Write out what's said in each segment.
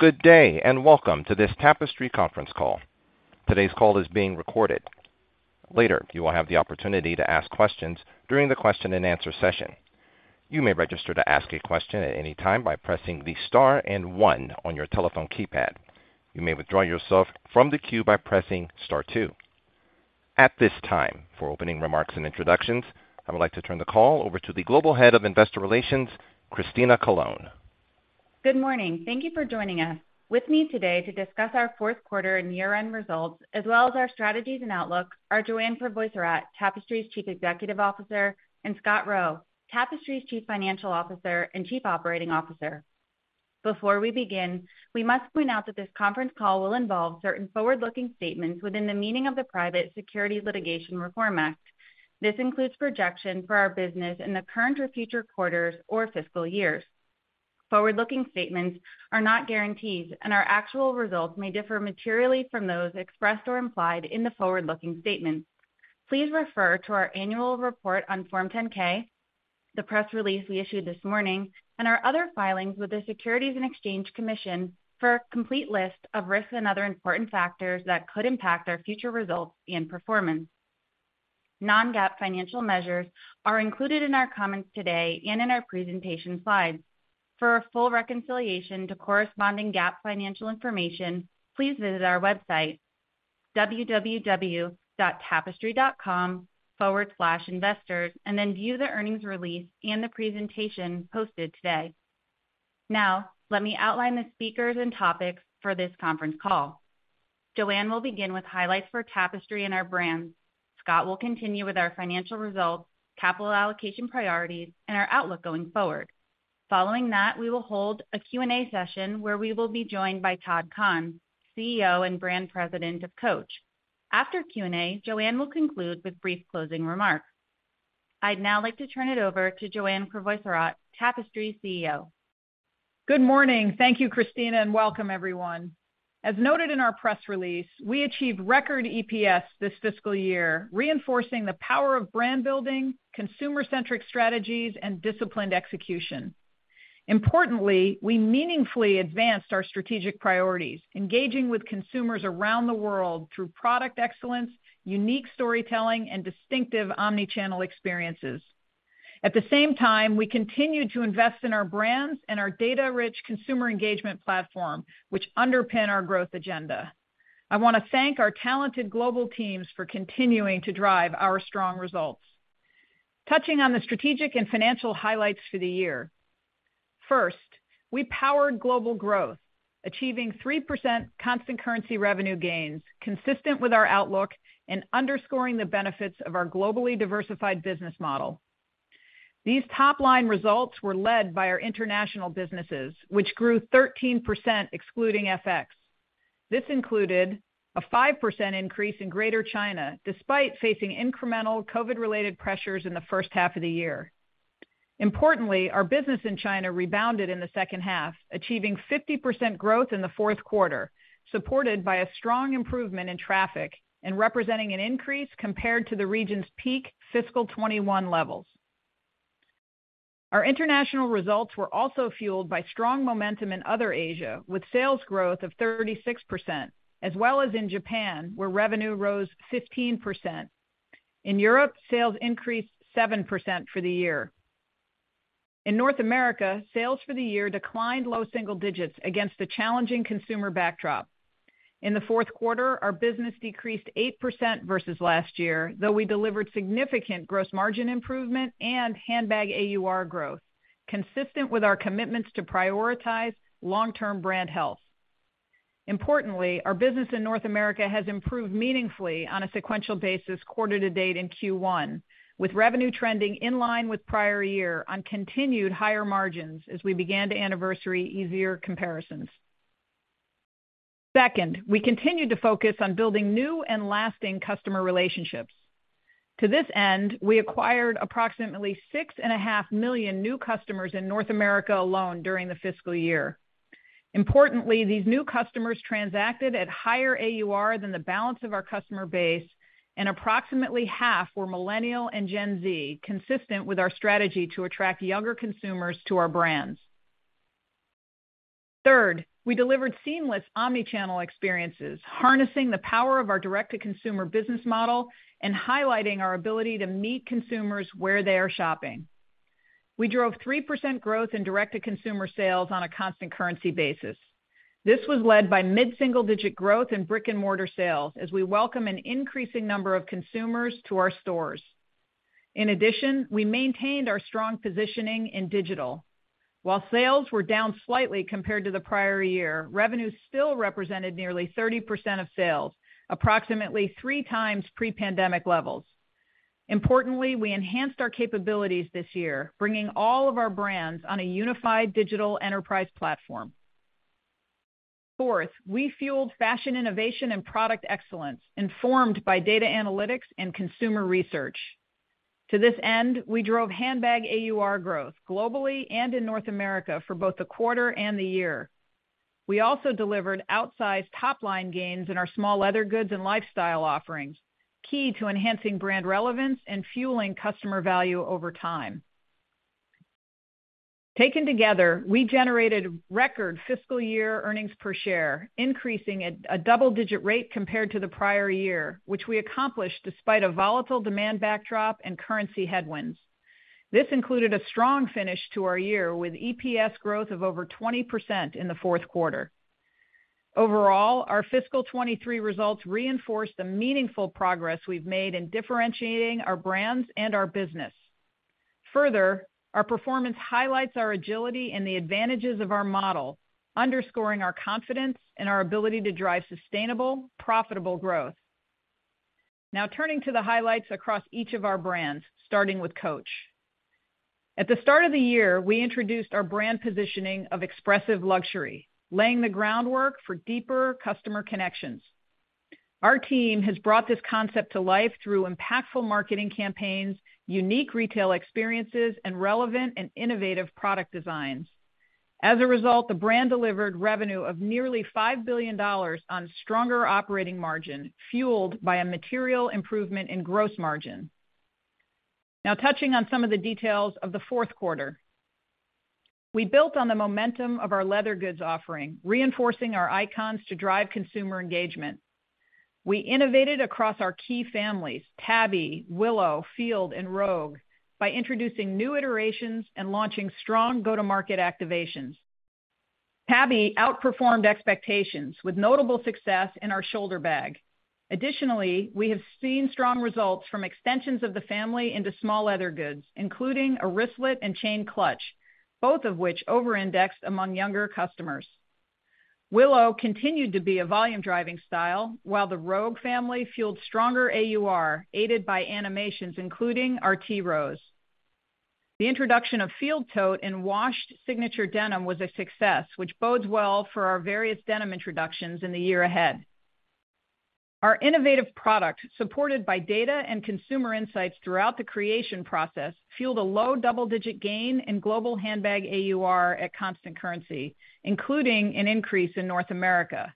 Good day, and welcome to this Tapestry conference call. Today's call is being recorded. Later, you will have the opportunity to ask questions during the question-and-answer session. You may register to ask a question at any time by pressing the star and one on your telephone keypad. You may withdraw yourself from the queue by pressing star two. At this time, for opening remarks and introductions, I would like to turn the call over to the Global Head of Investor Relations, Christina Colone. Good morning. Thank you for joining us. With me today to discuss our fourth quarter and year-end results, as well as our strategies and outlook, are Joanne Crevoiserat, Tapestry's Chief Executive Officer, and Scott Roe, Tapestry's Chief Financial Officer and Chief Operating Officer. Before we begin, we must point out that this conference call will involve certain forward-looking statements within the meaning of the Private Securities Litigation Reform Act. This includes projection for our business in the current or future quarters or fiscal years. Forward-looking statements are not guarantees, and our actual results may differ materially from those expressed or implied in the forward-looking statements. Please refer to our annual report on Form 10-K, the press release we issued this morning, and our other filings with the Securities and Exchange Commission for a complete list of risks and other important factors that could impact our future results and performance. Non-GAAP financial measures are included in our comments today and in our presentation slides. For a full reconciliation to corresponding GAAP financial information, please visit our website, www.tapestry.com/investors, and then view the earnings release and the presentation posted today. Now, let me outline the speakers and topics for this conference call. Joanne will begin with highlights for Tapestry and our brands. Scott will continue with our financial results, capital allocation priorities, and our outlook going forward. Following that, we will hold a Q&A session, where we will be joined by Todd Kahn, CEO and Brand President of Coach. After Q&A, Joanne will conclude with brief closing remarks. I'd now like to turn it over to Joanne Crevoiserat, Tapestry's CEO. Good morning. Thank you, Christina. Welcome everyone. As noted in our press release, we achieved record EPS this fiscal year, reinforcing the power of brand building, consumer-centric strategies, and disciplined execution. Importantly, we meaningfully advanced our strategic priorities, engaging with consumers around the world through product excellence, unique storytelling, and distinctive omni-channel experiences. At the same time, we continued to invest in our brands and our data-rich consumer engagement platform, which underpin our growth agenda. I want to thank our talented global teams for continuing to drive our strong results. Touching on the strategic and financial highlights for the year. First, we powered global growth, achieving 3% constant currency revenue gains, consistent with our outlook and underscoring the benefits of our globally diversified business model. These top-line results were led by our international businesses, which grew 13%, excluding FX. This included a 5% increase in Greater China, despite facing incremental COVID-related pressures in the first half of the year. Importantly, our business in China rebounded in the second half, achieving 50% growth in the fourth quarter, supported by a strong improvement in traffic and representing an increase compared to the region's peak fiscal 21 levels. Our international results were also fueled by strong momentum in other Asia, with sales growth of 36%, as well as in Japan, where revenue rose 15%. In Europe, sales increased 7% for the year. In North America, sales for the year declined low single digits against a challenging consumer backdrop. In the fourth quarter, our business decreased 8% versus last year, though we delivered significant gross margin improvement and handbag AUR growth, consistent with our commitments to prioritize long-term brand health. Importantly, our business in North America has improved meaningfully on a sequential basis quarter to date in Q1, with revenue trending in line with prior year on continued higher margins as we began to anniversary easier comparisons. Second, we continued to focus on building new and lasting customer relationships. To this end, we acquired approximately 6.5 million new customers in North America alone during the fiscal year. Importantly, these new customers transacted at higher AUR than the balance of our customer base, and approximately half were Millennial and Gen Z, consistent with our strategy to attract younger consumers to our brands. Third, we delivered seamless omni-channel experiences, harnessing the power of our direct-to-consumer business model and highlighting our ability to meet consumers where they are shopping. We drove 3% growth in direct-to-consumer sales on a constant currency basis. This was led by mid-single-digit growth in brick-and-mortar sales as we welcome an increasing number of consumers to our stores. In addition, we maintained our strong positioning in digital. While sales were down slightly compared to the prior year, revenues still represented nearly 30% of sales, approximately 3 times pre-pandemic levels. Importantly, we enhanced our capabilities this year, bringing all of our brands on a unified digital enterprise platform. Fourth, we fueled fashion, innovation, and product excellence, informed by data analytics and consumer research. To this end, we drove handbag AUR growth globally and in North America for both the quarter and the year. We also delivered outsized top-line gains in our small leather goods and lifestyle offerings, key to enhancing brand relevance and fueling customer value over time. Taken together, we generated record fiscal year earnings per share, increasing at a double-digit rate compared to the prior year, which we accomplished despite a volatile demand backdrop and currency headwinds. This included a strong finish to our year, with EPS growth of over 20% in the fourth quarter. Overall, our fiscal 2023 results reinforce the meaningful progress we've made in differentiating our brands and our business. Our performance highlights our agility and the advantages of our model, underscoring our confidence in our ability to drive sustainable, profitable growth. Turning to the highlights across each of our brands, starting with Coach. At the start of the year, we introduced our brand positioning of expressive luxury, laying the groundwork for deeper customer connections. Our team has brought this concept to life through impactful marketing campaigns, unique retail experiences, and relevant and innovative product designs. As a result, the brand delivered revenue of nearly $5 billion on stronger operating margin, fueled by a material improvement in gross margin. Touching on some of the details of the fourth quarter. We built on the momentum of our leather goods offering, reinforcing our icons to drive consumer engagement. We innovated across our key families, Tabby, Willow, Field, and Rogue, by introducing new iterations and launching strong go-to-market activations. Tabby outperformed expectations, with notable success in our shoulder bag. Additionally, we have seen strong results from extensions of the family into small leather goods, including a wristlet and chain clutch, both of which over-indexed among younger customers. Willow continued to be a volume-driving style, while the Rogue family fueled stronger AUR, aided by animations, including our Tea Rose. The introduction of Field Tote in washed signature denim was a success, which bodes well for our various denim introductions in the year ahead. Our innovative product, supported by data and consumer insights throughout the creation process, fueled a low double-digit gain in global handbag AUR at constant currency, including an increase in North America.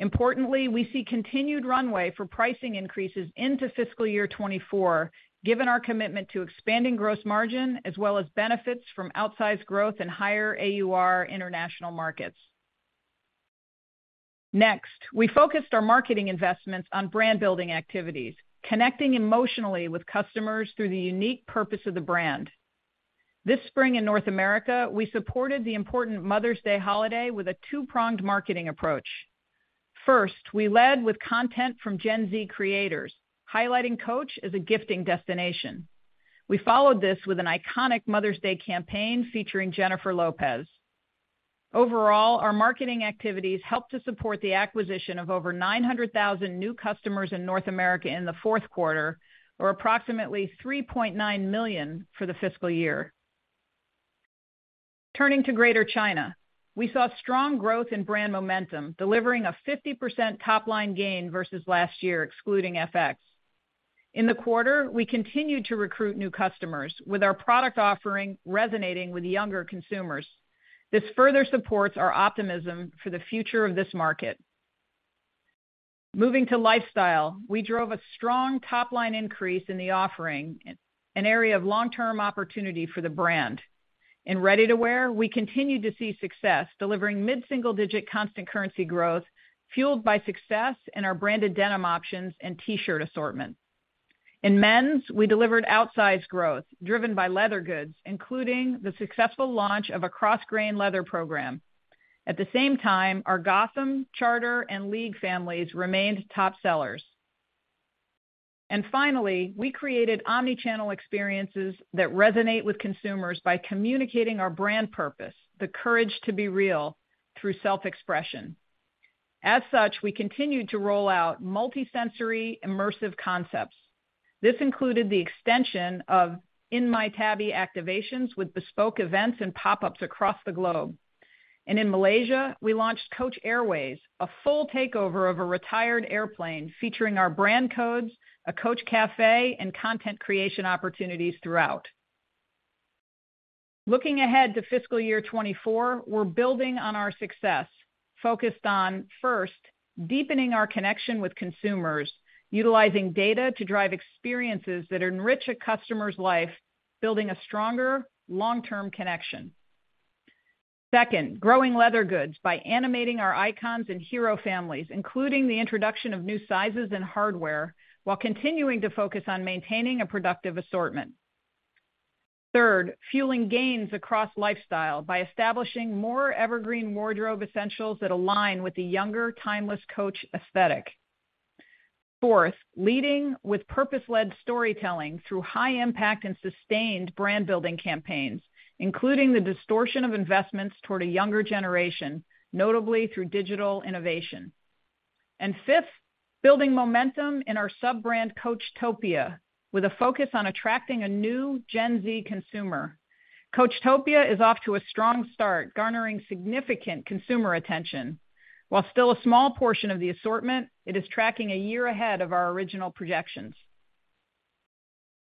Importantly, we see continued runway for pricing increases into fiscal year 2024, given our commitment to expanding gross margin, as well as benefits from outsized growth in higher AUR international markets. Next, we focused our marketing investments on brand-building activities, connecting emotionally with customers through the unique purpose of the brand. This spring in North America, we supported the important Mother's Day holiday with a two-pronged marketing approach. First, we led with content from Gen Z creators, highlighting Coach as a gifting destination. We followed this with an iconic Mother's Day campaign featuring Jennifer Lopez. Overall, our marketing activities helped to support the acquisition of over 900,000 new customers in North America in the fourth quarter, or approximately 3.9 million for the fiscal year. Turning to Greater China, we saw strong growth in brand momentum, delivering a 50% top-line gain versus last year, excluding FX. In the quarter, we continued to recruit new customers, with our product offering resonating with younger consumers. This further supports our optimism for the future of this market. Moving to lifestyle, we drove a strong top-line increase in the offering, an area of long-term opportunity for the brand. In ready-to-wear, we continued to see success, delivering mid-single-digit constant currency growth, fueled by success in our branded denim options and T-shirt assortment. In men's, we delivered outsized growth, driven by leather goods, including the successful launch of a cross grain leather program. Finally, we created omni-channel experiences that resonate with consumers by communicating our brand purpose, the courage to be real, through self-expression. As such, we continued to roll out multisensory, immersive concepts. This included the extension of In My Tabby activations with bespoke events and pop-ups across the globe. In Malaysia, we launched Coach Airways, a full takeover of a retired airplane featuring our brand codes, a Coach cafe, and content creation opportunities throughout. Looking ahead to fiscal year 2024, we're building on our success, focused on, first, deepening our connection with consumers, utilizing data to drive experiences that enrich a customer's life, building a stronger long-term connection. Second, growing leather goods by animating our icons and hero families, including the introduction of new sizes and hardware, while continuing to focus on maintaining a productive assortment. Third, fueling gains across lifestyle by establishing more evergreen wardrobe essentials that align with the younger, timeless Coach aesthetic. Fourth, leading with purpose-led storytelling through high-impact and sustained brand-building campaigns, including the distortion of investments toward a younger generation, notably through digital innovation. Fifth, building momentum in our sub-brand, Coachtopia, with a focus on attracting a new Gen Z consumer. Coachtopia is off to a strong start, garnering significant consumer attention. While still a small portion of the assortment, it is tracking a year ahead of our original projections.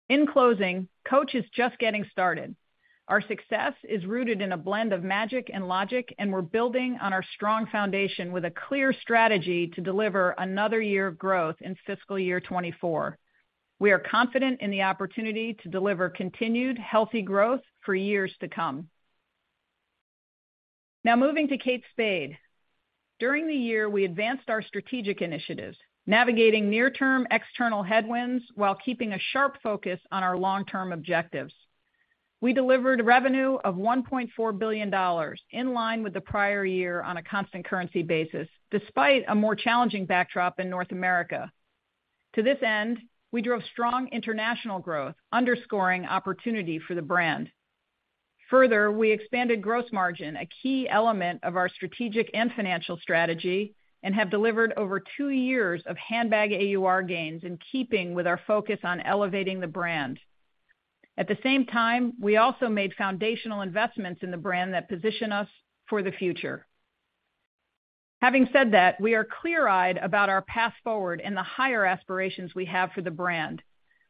In closing, Coach is just getting started. Our success is rooted in a blend of magic and logic, and we're building on our strong foundation with a clear strategy to deliver another year of growth in fiscal year 2024. We are confident in the opportunity to deliver continued healthy growth for years to come. Now moving to Kate Spade. During the year, we advanced our strategic initiatives, navigating near-term external headwinds while keeping a sharp focus on our long-term objectives. We delivered revenue of $1.4 billion, in line with the prior year on a constant currency basis, despite a more challenging backdrop in North America. To this end, we drove strong international growth, underscoring opportunity for the brand. Further, we expanded gross margin, a key element of our strategic and financial strategy, and have delivered over two years of handbag AUR gains in keeping with our focus on elevating the brand. At the same time, we also made foundational investments in the brand that position us for the future. Having said that, we are clear-eyed about our path forward and the higher aspirations we have for the brand.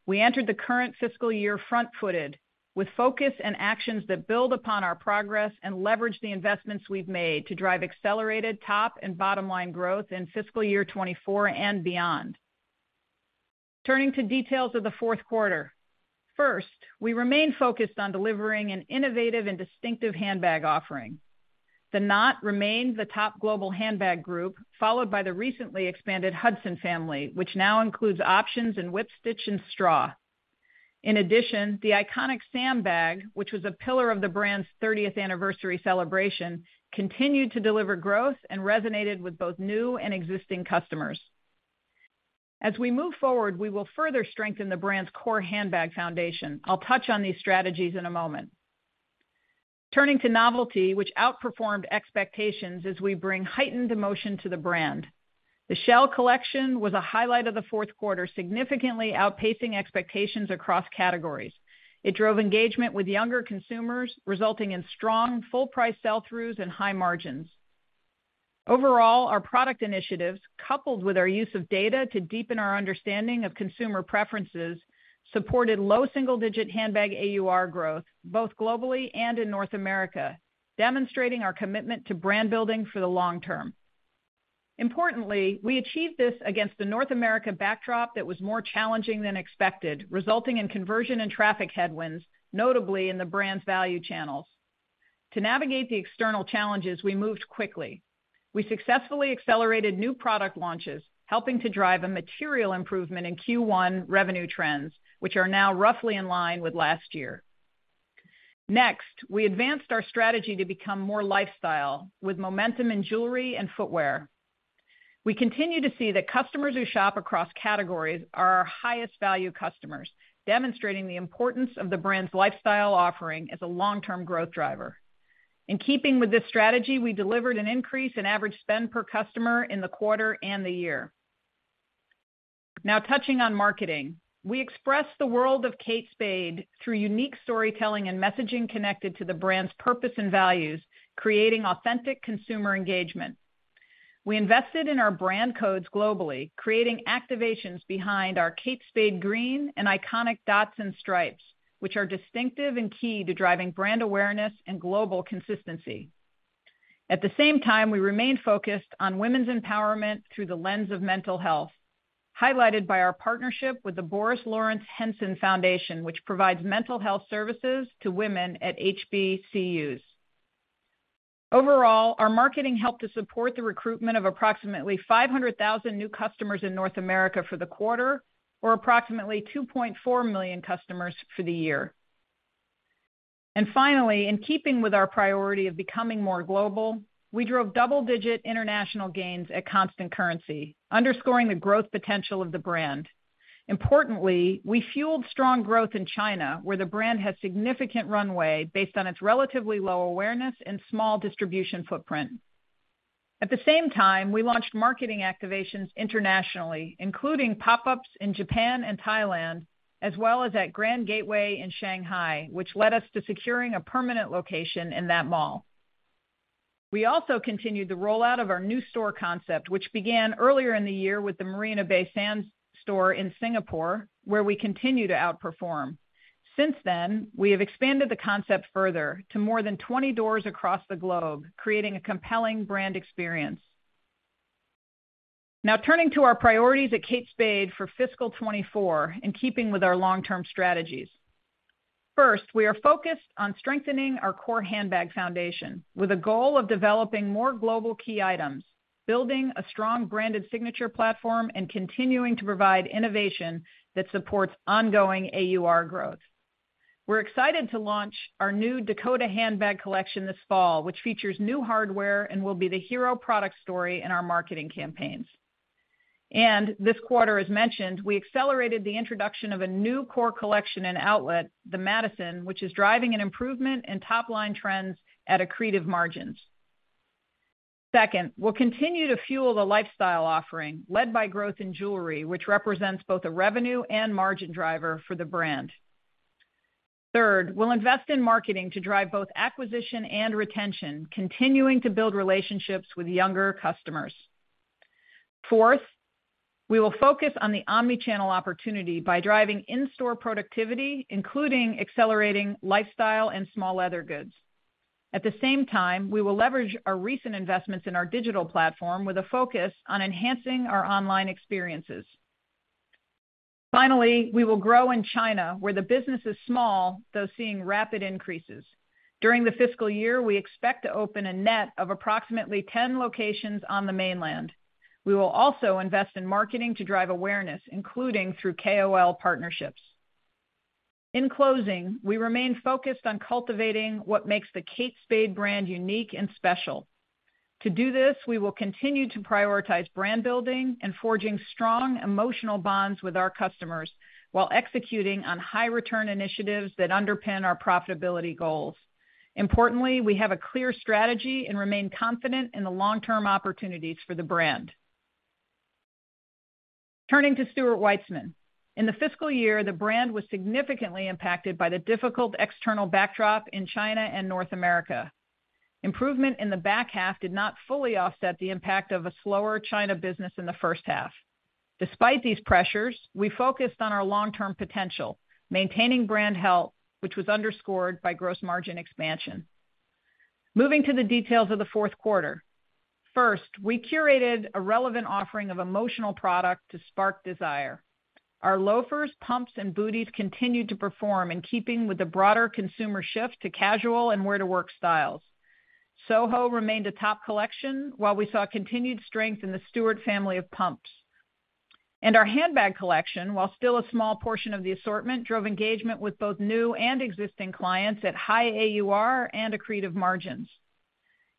We entered the current fiscal year front-footed, with focus and actions that build upon our progress and leverage the investments we've made to drive accelerated top and bottom-line growth in fiscal year 2024 and beyond. Turning to details of the fourth quarter. First, we remain focused on delivering an innovative and distinctive handbag offering. The Knot remains the top global handbag group, followed by the recently expanded Hudson family, which now includes options in whip stitch and straw. In addition, the iconic Sam bag, which was a pillar of the brand's 30th anniversary celebration, continued to deliver growth and resonated with both new and existing customers. As we move forward, we will further strengthen the brand's core handbag foundation. I'll touch on these strategies in a moment. Turning to novelty, which outperformed expectations as we bring heightened emotion to the brand. The Shell collection was a highlight of the fourth quarter, significantly outpacing expectations across categories. It drove engagement with younger consumers, resulting in strong full price sell-throughs and high margins. Overall, our product initiatives, coupled with our use of data to deepen our understanding of consumer preferences, supported low single-digit handbag AUR growth, both globally and in North America, demonstrating our commitment to brand building for the long term. Importantly, we achieved this against the North America backdrop that was more challenging than expected, resulting in conversion and traffic headwinds, notably in the brand's value channels. To navigate the external challenges, we moved quickly. We successfully accelerated new product launches, helping to drive a material improvement in Q1 revenue trends, which are now roughly in line with last year. Next, we advanced our strategy to become more lifestyle, with momentum in jewelry and footwear. We continue to see that customers who shop across categories are our highest value customers, demonstrating the importance of the brand's lifestyle offering as a long-term growth driver. In keeping with this strategy, we delivered an increase in average spend per customer in the quarter and the year. Now touching on marketing. We expressed the world of Kate Spade through unique storytelling and messaging connected to the brand's purpose and values, creating authentic consumer engagement. We invested in our brand codes globally, creating activations behind our Kate Spade green and iconic dots and stripes, which are distinctive and key to driving brand awareness and global consistency. At the same time, we remained focused on women's empowerment through the lens of mental health, highlighted by our partnership with the Boris Lawrence Henson Foundation, which provides mental health services to women at HBCUs. Overall, our marketing helped to support the recruitment of approximately 500,000 new customers in North America for the quarter, or approximately 2.4 million customers for the year. Finally, in keeping with our priority of becoming more global, we drove double-digit international gains at constant currency, underscoring the growth potential of the brand. Importantly, we fueled strong growth in China, where the brand has significant runway based on its relatively low awareness and small distribution footprint. At the same time, we launched marketing activations internationally, including pop-ups in Japan and Thailand, as well as at Grand Gateway in Shanghai, which led us to securing a permanent location in that mall. We also continued the rollout of our new store concept, which began earlier in the year with the Marina Bay Sands store in Singapore, where we continue to outperform. Since then, we have expanded the concept further to more than 20 doors across the globe, creating a compelling brand experience. Now turning to our priorities at Kate Spade for fiscal 2024, in keeping with our long-term strategies. First, we are focused on strengthening our core handbag foundation, with a goal of developing more global key items, building a strong branded signature platform, and continuing to provide innovation that supports ongoing AUR growth. We're excited to launch our new Dakota handbag collection this fall, which features new hardware and will be the hero product story in our marketing campaigns. This quarter, as mentioned, we accelerated the introduction of a new core collection in outlet, the Madison, which is driving an improvement in top-line trends at accretive margins. Second, we'll continue to fuel the lifestyle offering, led by growth in jewelry, which represents both a revenue and margin driver for the brand. Third, we'll invest in marketing to drive both acquisition and retention, continuing to build relationships with younger customers. Fourth, we will focus on the omnichannel opportunity by driving in-store productivity, including accelerating lifestyle and small leather goods. At the same time, we will leverage our recent investments in our digital platform with a focus on enhancing our online experiences. Finally, we will grow in China, where the business is small, though seeing rapid increases. During the fiscal year, we expect to open a net of approximately 10 locations on the mainland. We will also invest in marketing to drive awareness, including through KOL partnerships. In closing, we remain focused on cultivating what makes the Kate Spade brand unique and special. To do this, we will continue to prioritize brand building and forging strong emotional bonds with our customers, while executing on high return initiatives that underpin our profitability goals. Importantly, we have a clear strategy and remain confident in the long-term opportunities for the brand. Turning to Stuart Weitzman. In the fiscal year, the brand was significantly impacted by the difficult external backdrop in China and North America. Improvement in the back half did not fully offset the impact of a slower China business in the first half. Despite these pressures, we focused on our long-term potential, maintaining brand health, which was underscored by gross margin expansion. Moving to the details of the fourth quarter. First, we curated a relevant offering of emotional product to spark desire. Our loafers, pumps, and booties continued to perform in keeping with the broader consumer shift to casual and wear-to-work styles. Soho remained a top collection, while we saw continued strength in the Stuart family of pumps. Our handbag collection, while still a small portion of the assortment, drove engagement with both new and existing clients at high AUR and accretive margins.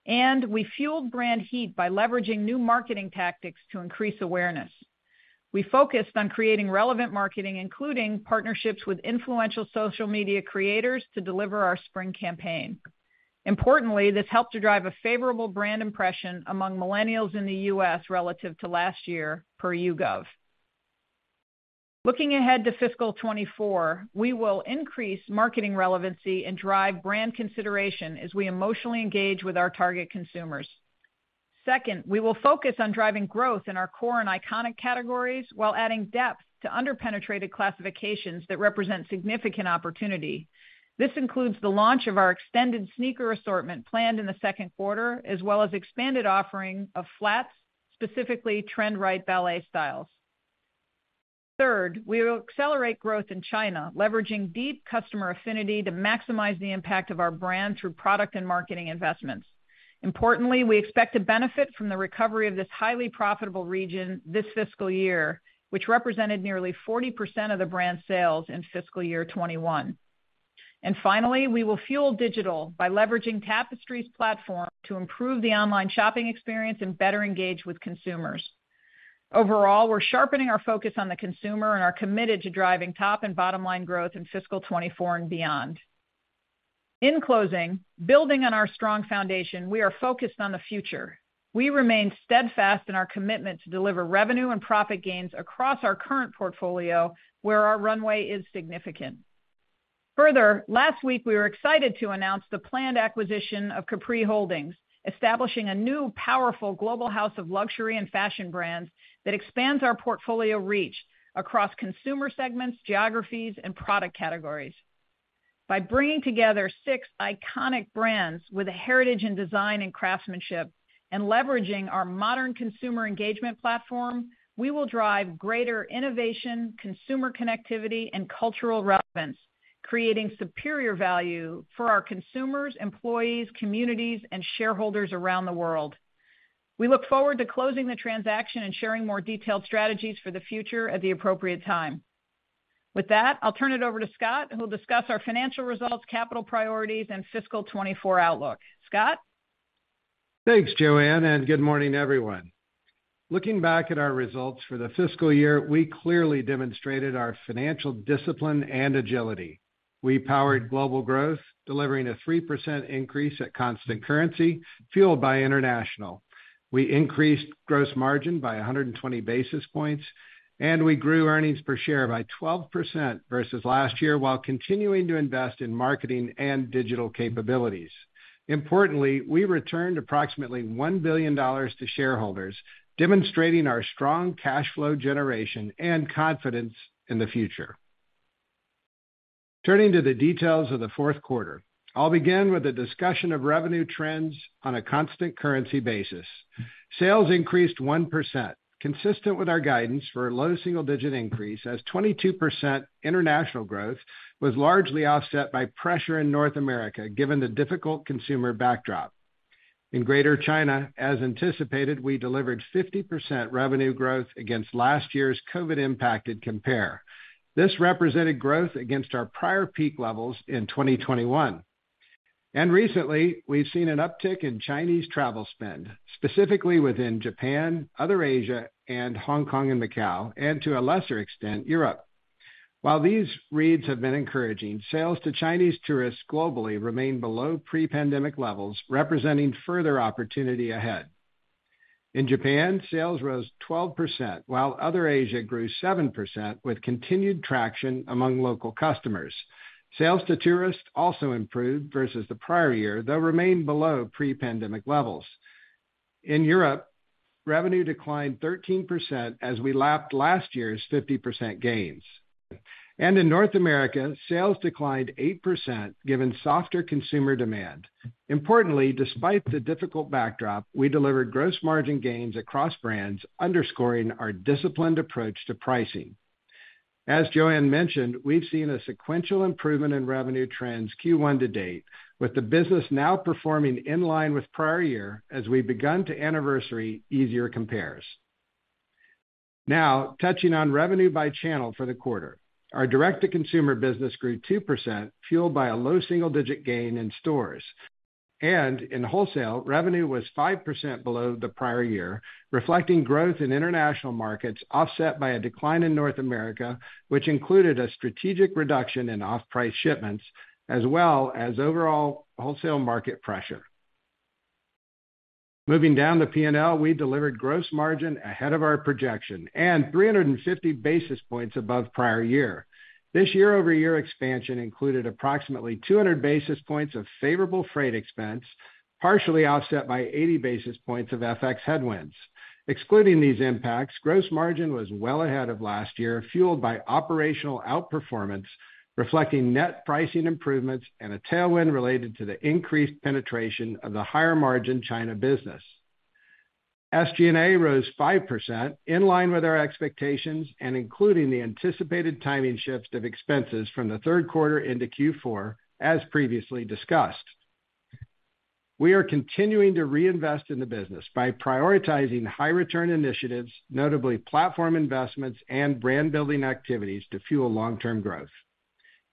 We fueled brand heat by leveraging new marketing tactics to increase awareness. We focused on creating relevant marketing, including partnerships with influential social media creators, to deliver our spring campaign. Importantly, this helped to drive a favorable brand impression among millennials in the US relative to last year, per YouGov. Looking ahead to fiscal 2024, we will increase marketing relevancy and drive brand consideration as we emotionally engage with our target consumers. Second, we will focus on driving growth in our core and iconic categories, while adding depth to under-penetrated classifications that represent significant opportunity. This includes the launch of our extended sneaker assortment planned in the second quarter, as well as expanded offering of flats, specifically trend-right ballet styles. Third, we will accelerate growth in China, leveraging deep customer affinity to maximize the impact of our brand through product and marketing investments. Importantly, we expect to benefit from the recovery of this highly profitable region this fiscal year, which represented nearly 40% of the brand's sales in fiscal year 2021. Finally, we will fuel digital by leveraging Tapestry's platform to improve the online shopping experience and better engage with consumers. Overall, we're sharpening our focus on the consumer and are committed to driving top and bottom line growth in fiscal 2024 and beyond. In closing, building on our strong foundation, we are focused on the future. We remain steadfast in our commitment to deliver revenue and profit gains across our current portfolio, where our runway is significant. Last week, we were excited to announce the planned acquisition of Capri Holdings, establishing a new, powerful global house of luxury and fashion brands that expands our portfolio reach across consumer segments, geographies, and product categories. By bringing together six iconic brands with a heritage in design and craftsmanship, and leveraging our modern consumer engagement platform, we will drive greater innovation, consumer connectivity, and cultural relevance, creating superior value for our consumers, employees, communities, and shareholders around the world. We look forward to closing the transaction and sharing more detailed strategies for the future at the appropriate time. With that, I'll turn it over to Scott, who'll discuss our financial results, capital priorities, and fiscal 2024 outlook. Scott? Thanks, Joanne, and good morning, everyone. Looking back at our results for the fiscal year, we clearly demonstrated our financial discipline and agility. We powered global growth, delivering a 3% increase at constant currency, fueled by international. We increased gross margin by 120 basis points, and we grew earnings per share by 12% versus last year, while continuing to invest in marketing and digital capabilities. Importantly, we returned approximately $1 billion to shareholders, demonstrating our strong cash flow generation and confidence in the future. Turning to the details of the fourth quarter, I'll begin with a discussion of revenue trends on a constant currency basis. Sales increased 1%, consistent with our guidance for a low single-digit increase, as 22% international growth was largely offset by pressure in North America, given the difficult consumer backdrop. In Greater China, as anticipated, we delivered 50% revenue growth against last year's COVID-impacted compare. This represented growth against our prior peak levels in 2021. Recently, we've seen an uptick in Chinese travel spend, specifically within Japan, other Asia, and Hong Kong and Macau, and to a lesser extent, Europe. While these reads have been encouraging, sales to Chinese tourists globally remain below pre-pandemic levels, representing further opportunity ahead. In Japan, sales rose 12%, while other Asia grew 7%, with continued traction among local customers. Sales to tourists also improved versus the prior year, though remained below pre-pandemic levels. In Europe, revenue declined 13% as we lapped last year's 50% gains. In North America, sales declined 8%, given softer consumer demand. Importantly, despite the difficult backdrop, we delivered gross margin gains across brands, underscoring our disciplined approach to pricing. As Joanne mentioned, we've seen a sequential improvement in revenue trends Q1 to date, with the business now performing in line with prior year as we've begun to anniversary easier compares. Now, touching on revenue by channel for the quarter. Our direct-to-consumer business grew 2%, fueled by a low single-digit gain in stores. In wholesale, revenue was 5% below the prior year, reflecting growth in international markets, offset by a decline in North America, which included a strategic reduction in off-price shipments, as well as overall wholesale market pressure. Moving down the P&L, we delivered gross margin ahead of our projection and 350 basis points above prior year. This year-over-year expansion included approximately 200 basis points of favorable freight expense, partially offset by 80 basis points of FX headwinds. Excluding these impacts, gross margin was well ahead of last year, fueled by operational outperformance, reflecting net pricing improvements and a tailwind related to the increased penetration of the higher-margin China business. SG&A rose 5%, in line with our expectations and including the anticipated timing shifts of expenses from the third quarter into Q4, as previously discussed. We are continuing to reinvest in the business by prioritizing high return initiatives, notably platform investments and brand building activities to fuel long-term growth.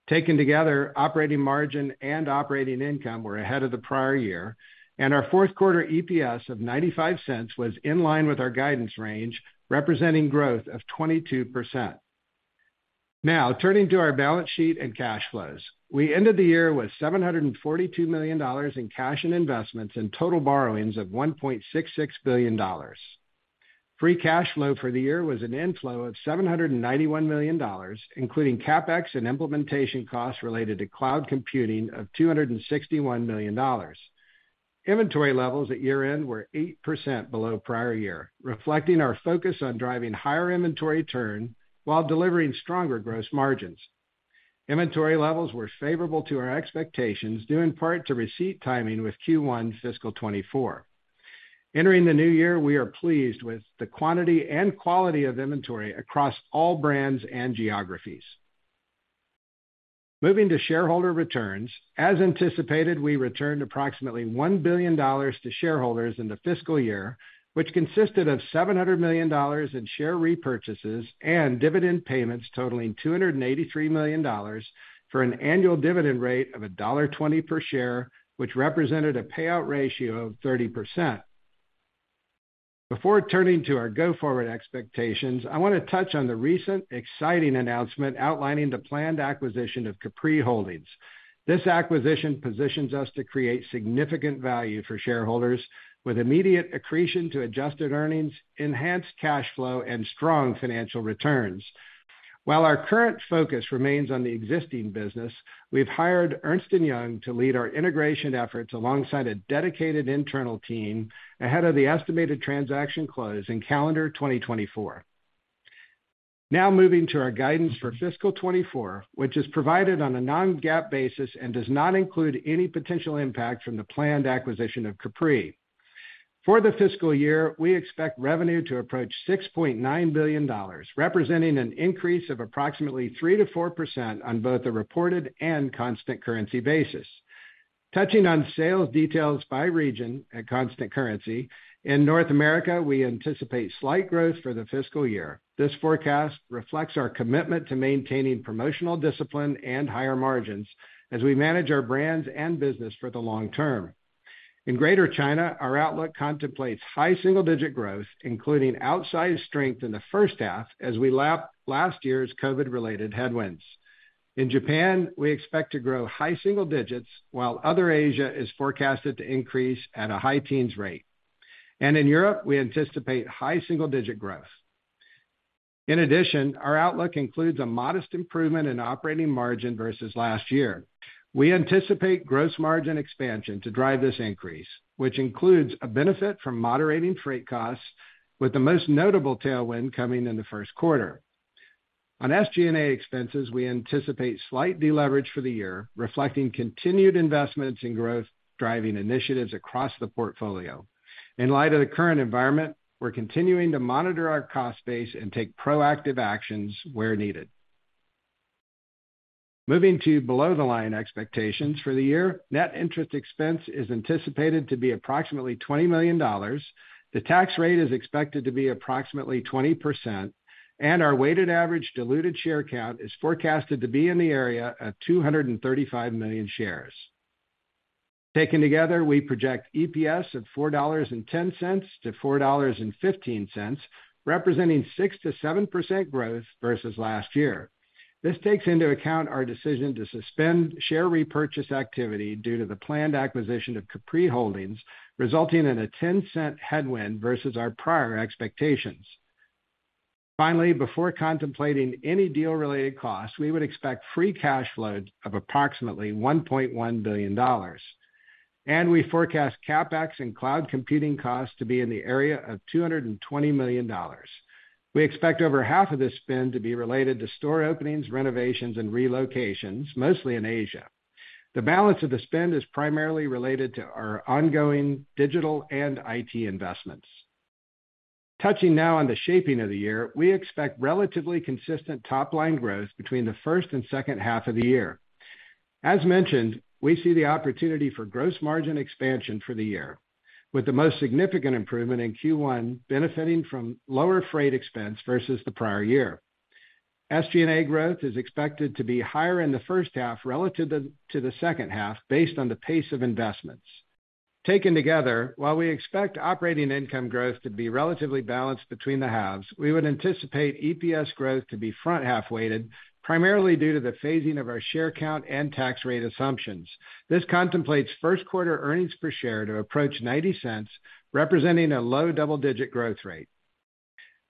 Taken together, operating margin and operating income were ahead of the prior year, and our fourth quarter EPS of $0.95 was in line with our guidance range, representing growth of 22%. Now, turning to our balance sheet and cash flows. We ended the year with $742 million in cash and investments and total borrowings of $1.66 billion. Free cash flow for the year was an inflow of $791 million, including CapEx and implementation costs related to cloud computing of $261 million. Inventory levels at year-end were 8% below prior year, reflecting our focus on driving higher inventory turn while delivering stronger gross margins. Inventory levels were favorable to our expectations, due in part to receipt timing with Q1 fiscal 2024. Entering the new year, we are pleased with the quantity and quality of inventory across all brands and geographies. Moving to shareholder returns. As anticipated, we returned approximately $1 billion to shareholders in the fiscal year, which consisted of $700 million in share repurchases and dividend payments totaling $283 million for an annual dividend rate of $1.20 per share, which represented a payout ratio of 30%. Before turning to our go-forward expectations, I want to touch on the recent exciting announcement outlining the planned acquisition of Capri Holdings. This acquisition positions us to create significant value for shareholders with immediate accretion to adjusted earnings, enhanced cash flow, and strong financial returns. While our current focus remains on the existing business, we've hired Ernst & Young to lead our integration efforts alongside a dedicated internal team ahead of the estimated transaction close in calendar 2024. Moving to our guidance for fiscal 2024, which is provided on a non-GAAP basis and does not include any potential impact from the planned acquisition of Capri. For the fiscal year, we expect revenue to approach $6.9 billion, representing an increase of approximately 3%-4% on both the reported and constant currency basis. Touching on sales details by region at constant currency, in North America, we anticipate slight growth for the fiscal year. This forecast reflects our commitment to maintaining promotional discipline and higher margins as we manage our brands and business for the long term. In Greater China, our outlook contemplates high single-digit growth, including outsized strength in the first half as we lap last year's COVID-related headwinds. In Japan, we expect to grow high single digits, while other Asia is forecasted to increase at a high teens rate. In Europe, we anticipate high single-digit growth. In addition, our outlook includes a modest improvement in operating margin versus last year. We anticipate gross margin expansion to drive this increase, which includes a benefit from moderating freight costs, with the most notable tailwind coming in the first quarter. On SG&A expenses, we anticipate slight deleverage for the year, reflecting continued investments in growth-driving initiatives across the portfolio. In light of the current environment, we're continuing to monitor our cost base and take proactive actions where needed. Moving to below the line expectations for the year, net interest expense is anticipated to be approximately $20 million. The tax rate is expected to be approximately 20%, and our weighted average diluted share count is forecasted to be in the area of 235 million shares. Taken together, we project EPS of $4.10-$4.15, representing 6%-7% growth versus last year. This takes into account our decision to suspend share repurchase activity due to the planned acquisition of Capri Holdings, resulting in a $0.10 headwind versus our prior expectations. Finally, before contemplating any deal-related costs, we would expect free cash flow of approximately $1.1 billion. We forecast CapEx and cloud computing costs to be in the area of $220 million. We expect over half of this spend to be related to store openings, renovations, and relocations, mostly in Asia. The balance of the spend is primarily related to our ongoing digital and IT investments. Touching now on the shaping of the year, we expect relatively consistent top-line growth between the first and second half of the year. As mentioned, we see the opportunity for gross margin expansion for the year, with the most significant improvement in Q1 benefiting from lower freight expense versus the prior year. SG&A growth is expected to be higher in the first half relative to the second half, based on the pace of investments. Taken together, while we expect operating income growth to be relatively balanced between the halves, we would anticipate EPS growth to be front-half weighted, primarily due to the phasing of our share count and tax rate assumptions. This contemplates first quarter earnings per share to approach $0.90, representing a low double-digit growth rate.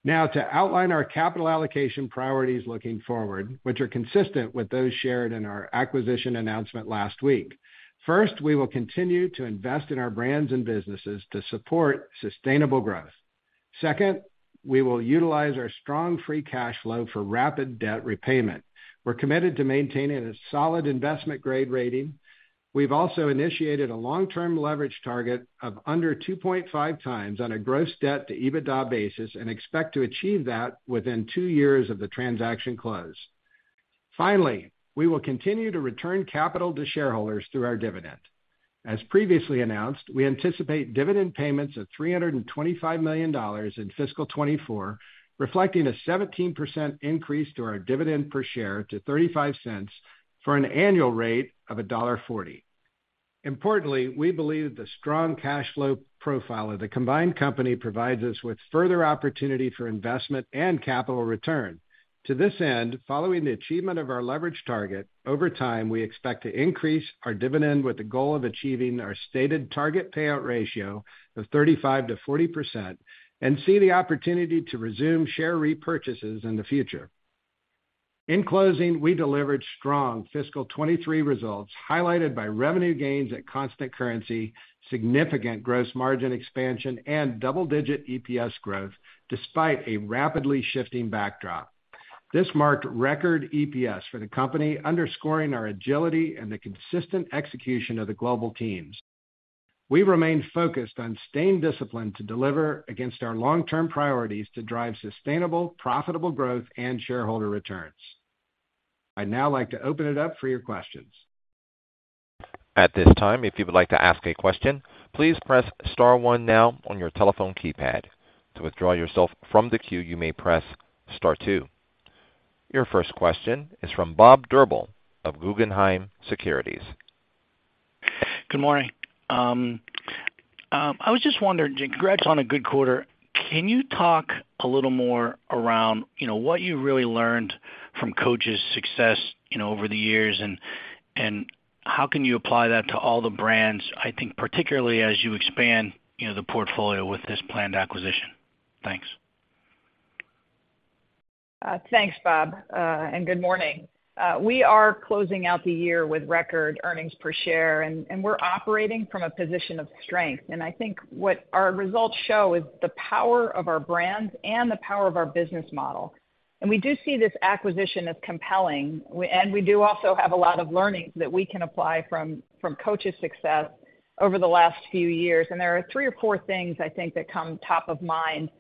Now to outline our capital allocation priorities looking forward, which are consistent with those shared in our acquisition announcement last week. First, we will continue to invest in our brands and businesses to support sustainable growth. Second, we will utilize our strong free cash flow for rapid debt repayment. We're committed to maintaining a solid investment-grade rating. We've also initiated a long-term leverage target of under 2.5x on a gross debt to EBITDA basis, and expect to achieve that within 2 years of the transaction close. Finally, we will continue to return capital to shareholders through our dividend. As previously announced, we anticipate dividend payments of $325 million in fiscal 2024, reflecting a 17% increase to our dividend per share to $0.35, for an annual rate of $1.40. Importantly, we believe the strong cash flow profile of the combined company provides us with further opportunity for investment and capital return. To this end, following the achievement of our leverage target, over time, we expect to increase our dividend with the goal of achieving our stated target payout ratio of 35%-40%, and see the opportunity to resume share repurchases in the future. In closing, we delivered strong fiscal 2023 results, highlighted by revenue gains at constant currency, significant gross margin expansion, and double-digit EPS growth, despite a rapidly shifting backdrop. This marked record EPS for the company, underscoring our agility and the consistent execution of the global teams. We remain focused on staying disciplined to deliver against our long-term priorities to drive sustainable, profitable growth and shareholder returns. I'd now like to open it up for your questions. At this time, if you would like to ask a question, "please press star one" now on your telephone keypad. To withdraw yourself from the queue, you may "press star two". Your first question is from Bob Drbul of Guggenheim Securities. Good morning. I was just wondering, congrats on a good quarter. Can you talk a little more around, you know, what you really learned from Coach's success, you know, over the years, and how can you apply that to all the brands? I think particularly as you expand, you know, the portfolio with this planned acquisition. Thanks. Thanks, Bob Drbul, and good morning. We are closing out the year with record earnings per share, and, and we're operating from a position of strength. I think what our results show is the power of our brands and the power of our business model. We do see this acquisition as compelling, and we do also have a lot of learnings that we can apply from, from Coach's success over the last few years. There are three or four things I think that come top of mind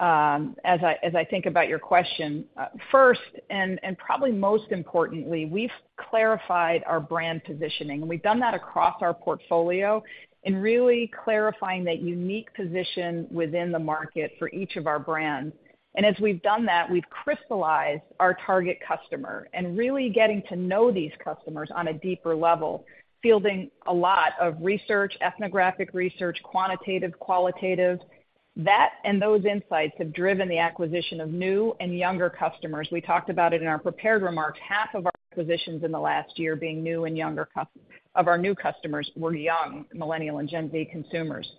as I, as I think about your question. First, and, and probably most importantly, we've clarified our brand positioning, and we've done that across our portfolio in really clarifying that unique position within the market for each of our brands. As we've done that, we've crystallized our target customer and really getting to know these customers on a deeper level, fielding a lot of research, ethnographic research, quantitative, qualitative. Those insights have driven the acquisition of new and younger customers. We talked about it in our prepared remarks, half of our acquisitions in the last year being new and younger of our new customers were young, Millennial and Gen Z consumers.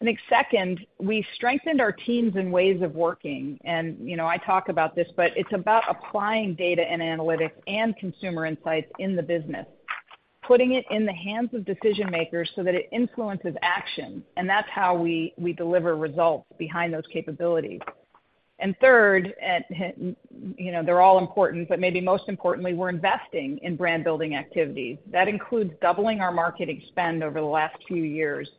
I think second, we strengthened our teams and ways of working. You know, I talk about this, but it's about applying data and analytics and consumer insights in the business, putting it in the hands of decision makers so that it influences action, and that's how we deliver results behind those capabilities. Third, and, you know, they're all important, but maybe most importantly, we're investing in brand building activities. That includes doubling our marketing spend over the last few years,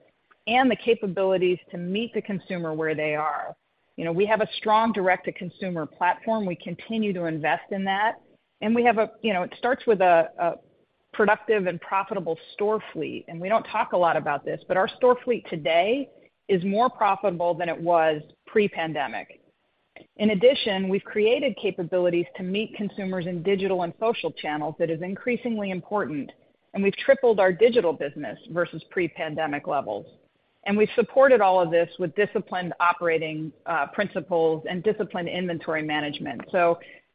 and the capabilities to meet the consumer where they are. You know, we have a strong direct-to-consumer platform. We continue to invest in that, and we have. You know, it starts with a productive and profitable store fleet, and we don't talk a lot about this, but our store fleet today is more profitable than it was pre-pandemic. In addition, we've created capabilities to meet consumers in digital and social channels that is increasingly important, and we've tripled our digital business versus pre-pandemic levels. We've supported all of this with disciplined operating principles and disciplined inventory management.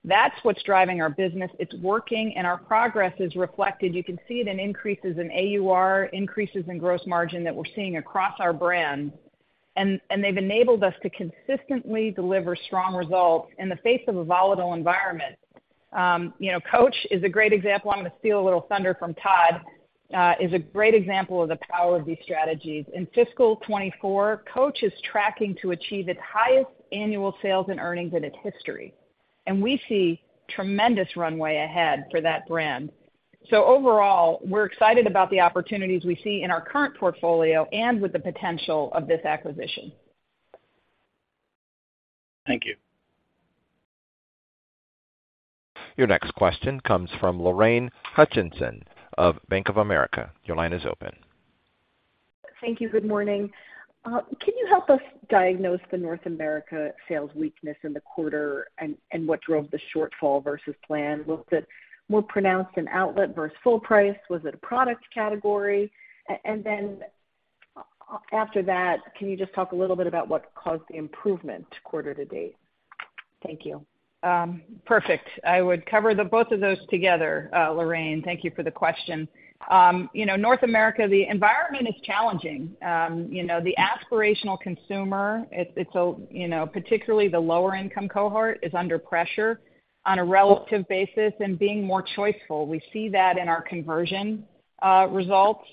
That's what's driving our business. It's working, and our progress is reflected. You can see it in increases in AUR, increases in gross margin that we're seeing across our brands, and, and they've enabled us to consistently deliver strong results in the face of a volatile environment. you know, Coach is a great example, I'm gonna steal a little thunder from Todd, is a great example of the power of these strategies. In fiscal 2024, Coach is tracking to achieve its highest annual sales and earnings in its history, and we see tremendous runway ahead for that brand. Overall, we're excited about the opportunities we see in our current portfolio and with the potential of this acquisition. Thank you. Your next question comes from Lorraine Hutchinson of Bank of America. Your line is open. Thank you. Good morning. Can you help us diagnose the North America sales weakness in the quarter and what drove the shortfall versus plan? Was it more pronounced in outlet versus full price? Was it a product category? And then, after that, can you just talk a little bit about what caused the improvement quarter to date? Thank you. Perfect. I would cover the both of those together, Lorraine. Thank you for the question. You know, North America, the environment is challenging. You know, the aspirational consumer, you know, particularly the lower income cohort, is under pressure on a relative basis and being more choiceful. We see that in our conversion results.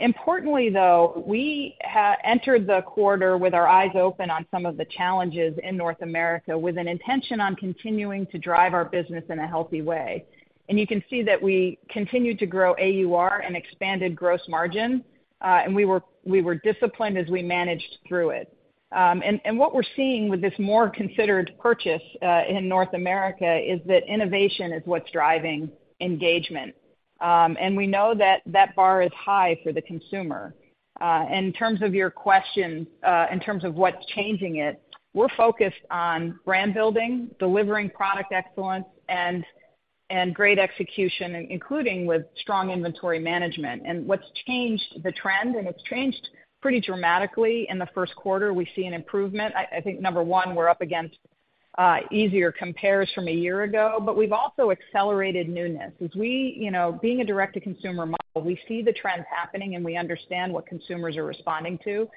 Importantly, though, we entered the quarter with our eyes open on some of the challenges in North America, with an intention on continuing to drive our business in a healthy way. You can see that we continued to grow AUR and expanded gross margin, and we were, we were disciplined as we managed through it. And what we're seeing with this more considered purchase in North America is that innovation is what's driving engagement. We know that that bar is high for the consumer. In terms of your question, in terms of what's changing it, we're focused on brand building, delivering product excellence, and great execution, including with strong inventory management. What's changed the trend, and it's changed pretty dramatically in the 1st quarter, we see an improvement. I think, number 1, we're up against easier compares from a year ago, but we've also accelerated newness. You know, being a direct-to-consumer model, we see the trends happening, we understand what consumers are responding to,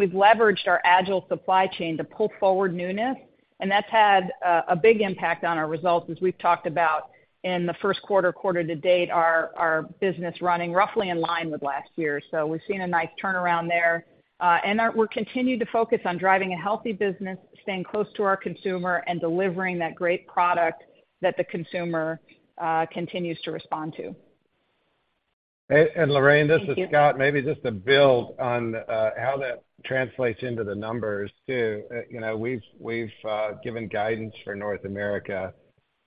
we've leveraged our agile supply chain to pull forward newness, and that's had a big impact on our results. As we've talked about in the 1st quarter, quarter to date, our business running roughly in line with last year. We've seen a nice turnaround there, and we're continued to focus on driving a healthy business, staying close to our consumer, and delivering that great product that the consumer continues to respond to. Lorraine, this is Scott. Thank you. Maybe just to build on how that translates into the numbers, too. You know, we've, we've given guidance for North America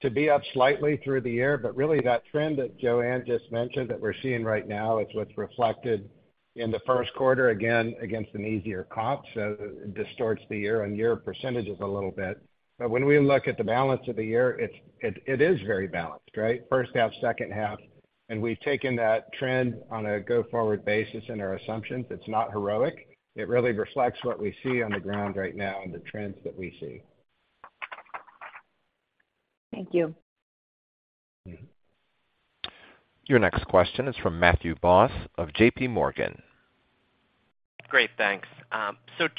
to be up slightly through the year. Really, that trend that Joanne just mentioned, that we're seeing right now, is what's reflected in the first quarter, again, against an easier comp. It distorts the year-on-year % a little bit. When we look at the balance of the year, it is very balanced, right? First half, second half, and we've taken that trend on a go-forward basis in our assumptions. It's not heroic. It really reflects what we see on the ground right now and the trends that we see. Thank you. Your next question is from Matthew Boss of J.P. Morgan. Great, thanks.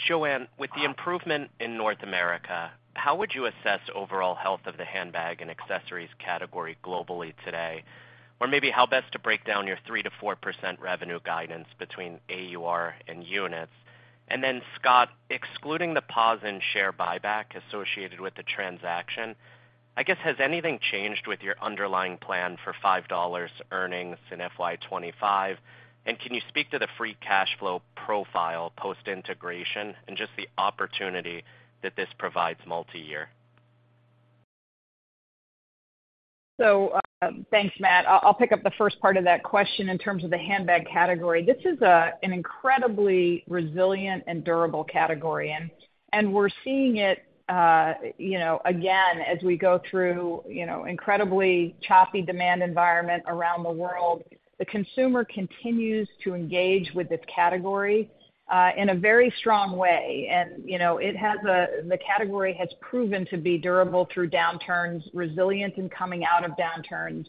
Joanne, with the improvement in North America, how would you assess overall health of the handbag and accessories category globally today? Or maybe how best to break down your 3%-4% revenue guidance between AUR and units. Scott, excluding the pause in share buyback associated with the transaction, I guess, has anything changed with your underlying plan for $5 earnings in FY 2025? Can you speak to the free cash flow profile post-integration and just the opportunity that this provides multi-year? Thanks, Matt. I'll, I'll pick up the first part of that question in terms of the handbag category. This is a, an incredibly resilient and durable category, and, and we're seeing it, you know, again, as we go through, you know, incredibly choppy demand environment around the world. The consumer continues to engage with this category in a very strong way, and, you know, the category has proven to be durable through downturns, resilient in coming out of downturns.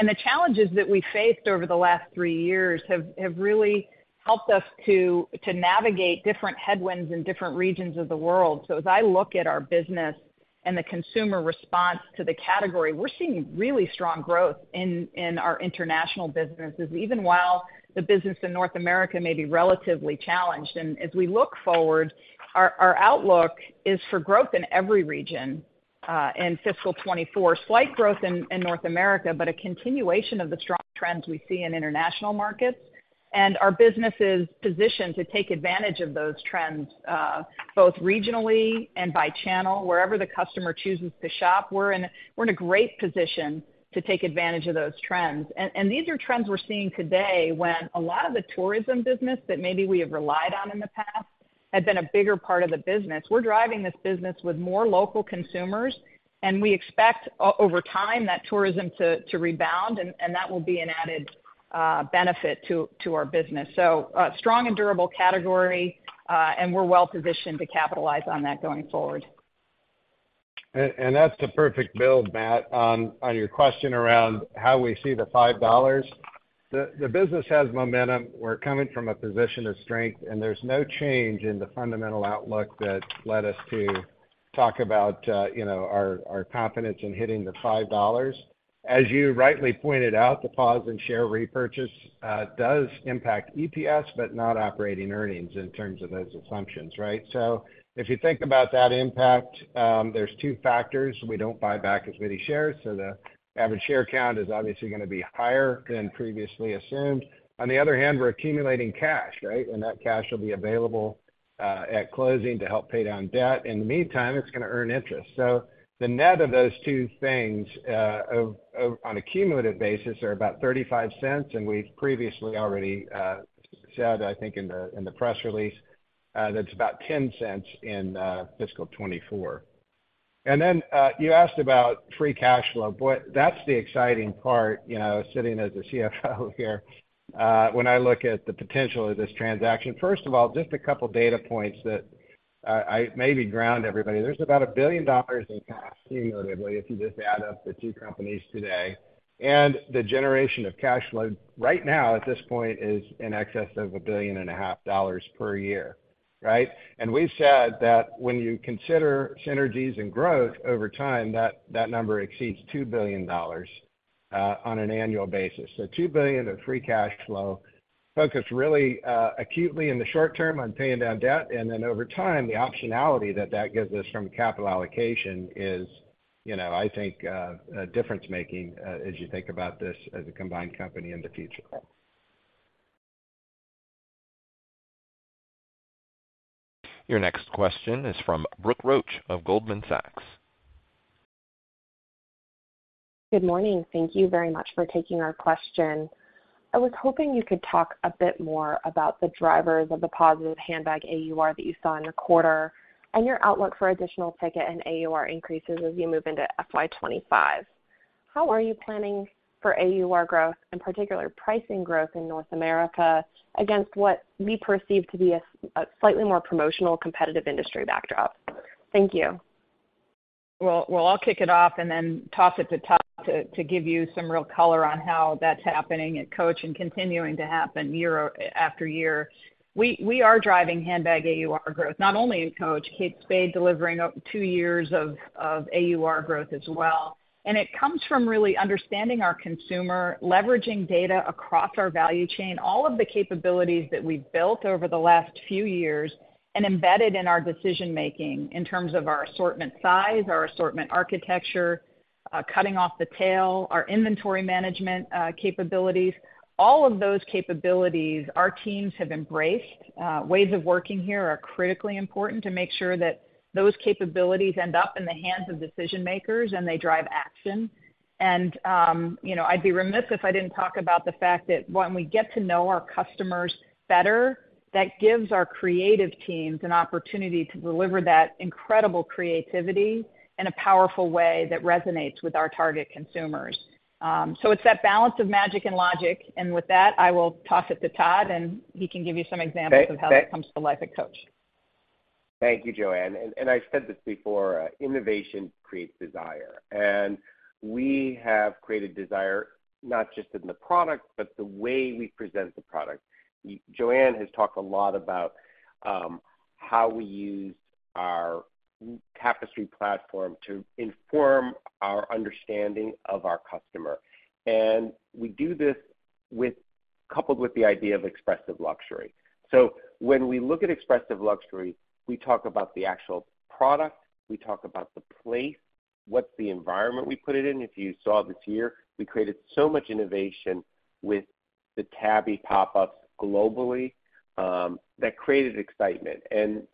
The challenges that we faced over the last three years have, have really helped us to, to navigate different headwinds in different regions of the world. As I look at our business and the consumer response to the category, we're seeing really strong growth in, in our international businesses, even while the business in North America may be relatively challenged. As we look forward, our, our outlook is for growth in every region, in fiscal 2024. Slight growth in, in North America, but a continuation of the strong trends we see in international markets. Our business is positioned to take advantage of those trends, both regionally and by channel. Wherever the customer chooses to shop, we're in a, we're in a great position to take advantage of those trends. These are trends we're seeing today, when a lot of the tourism business that maybe we have relied on in the past, had been a bigger part of the business. We're driving this business with more local consumers, and we expect over time, that tourism to, to rebound, and, and that will be an added benefit to, to our business. Strong and durable category, and we're well positioned to capitalize on that going forward. That's the perfect build, Matt, on, on your question around how we see the $5. The business has momentum. We're coming from a position of strength. There's no change in the fundamental outlook that led us to talk about, you know, our confidence in hitting the $5. As you rightly pointed out, the pause in share repurchase does impact EPS, but not operating earnings in terms of those assumptions, right? If you think about that impact, there's 2 factors. We don't buy back as many shares, so the average share count is obviously going to be higher than previously assumed. On the other hand, we're accumulating cash, right? That cash will be available at closing to help pay down debt. In the meantime, it's going to earn interest. The net of those two things on a cumulative basis, are about $0.35, and we've previously already said, I think in the press release, that's about $0.10 in fiscal 2024. You asked about free cash flow. Boy, that's the exciting part, you know, sitting as a CFO here, when I look at the potential of this transaction. Just a couple data points that maybe ground everybody. There's about $1 billion in cash cumulatively, if you just add up the two companies today, and the generation of cash flow right now, at this point, is in excess of $1.5 billion per year, right? We've said that when you consider synergies and growth over time, that, that number exceeds $2 billion on an annual basis. $2 billion of free cash flow focused really acutely in the short term on paying down debt, and then over time, the optionality that that gives us from capital allocation is, you know, I think, difference making, as you think about this as a combined company in the future. Your next question is from Brooke Roach of Goldman Sachs. Good morning. Thank you very much for taking our question. I was hoping you could talk a bit more about the drivers of the positive handbag AUR that you saw in your quarter, and your outlook for additional ticket and AUR increases as you move into FY 2025. How are you planning for AUR growth, in particular pricing growth in North America, against what we perceive to be a slightly more promotional competitive industry backdrop? Thank you. Well, well, I'll kick it off and then toss it to Todd to, to give you some real color on how that's happening at Coach and continuing to happen year after year. We, we are driving handbag AUR growth, not only in Coach, Kate Spade, delivering up two years of, of AUR growth as well. It comes from really understanding our consumer, leveraging data across our value chain, all of the capabilities that we've built over the last few years, and embedded in our decision-making in terms of our assortment size, our assortment architecture, cutting off the tail, our inventory management, capabilities. All of those capabilities, our teams have embraced. Ways of working here are critically important to make sure that those capabilities end up in the hands of decision makers, and they drive action. You know, I'd be remiss if I didn't talk about the fact that when we get to know our customers better, that gives our creative teams an opportunity to deliver that incredible creativity in a powerful way that resonates with our target consumers. It's that balance of magic and logic, and with that, I will toss it to Todd, and he can give you some examples. Hey, hey. - of how that comes to life at Coach. Thank you, Joanne. I've said this before, innovation creates desire, and we have created desire not just in the product, but the way we present the product. Joanne has talked a lot about how we use our Tapestry platform to inform our understanding of our customer, and we do this coupled with the idea of expressive luxury. When we look at expressive luxury, we talk about the actual product, we talk about the place, what's the environment we put it in. If you saw this year, we created so much innovation with the Tabby pop-ups globally, that created excitement.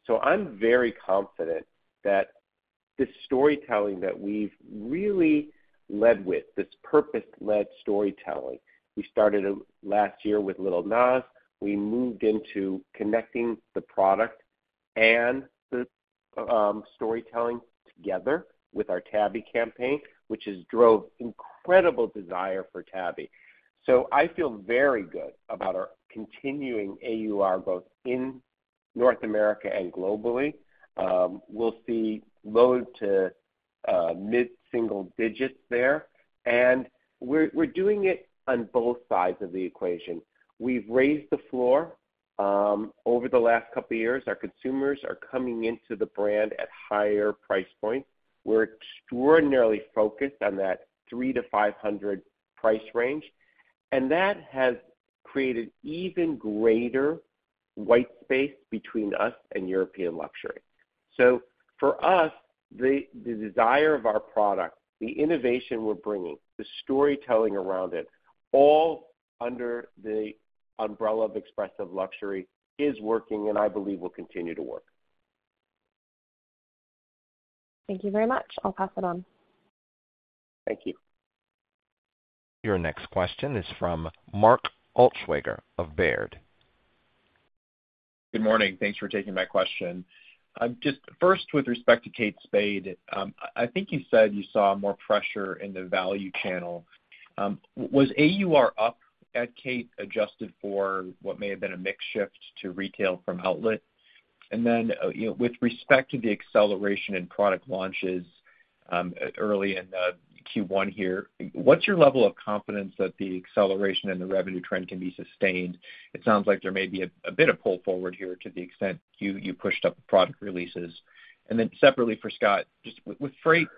So I'm very confident that this storytelling that we've really led with, this purpose-led storytelling, we started it last year with Lil Nas. We moved into connecting the product and the storytelling together with our Tabby campaign, which has drove incredible desire for Tabby. I feel very good about our continuing AUR, both in North America and globally. We'll see low to mid-single digits there, and we're, we're doing it on both sides of the equation. We've raised the floor over the last couple of years. Our consumers are coming into the brand at higher price points. We're extraordinarily focused on that $300-$500 price range, and that has created even greater white space between us and European luxury. For us, the desire of our product, the innovation we're bringing, the storytelling around it, all under the umbrella of expressive luxury, is working and I believe will continue to work. Thank you very much. I'll pass it on. Thank you. Your next question is from Mark Altschwager of Baird. Good morning. Thanks for taking my question. Just first, with respect to Kate Spade, I, I think you said you saw more pressure in the value channel. Was AUR up at Kate, adjusted for what may have been a mix shift to retail from outlet? You know, with respect to the acceleration in product launches, early in Q1 here. What's your level of confidence that the acceleration in the revenue trend can be sustained? It sounds like there may be a, a bit of pull forward here to the extent you, you pushed up product releases. Separately for Scott, just with, with freight,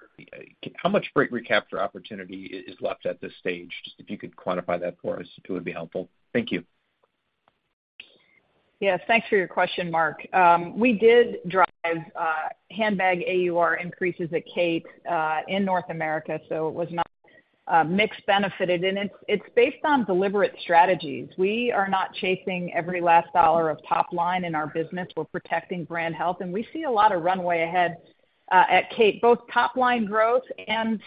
how much freight recapture opportunity is, is left at this stage? Just if you could quantify that for us, it would be helpful. Thank you. Yes, thanks for your question, Mark. We did drive handbag AUR increases at Kate in North America, so it was not mixed benefited, and it's based on deliberate strategies. We are not chasing every last dollar of top line in our business. We're protecting brand health, and we see a lot of runway ahead at Kate, both top line growth and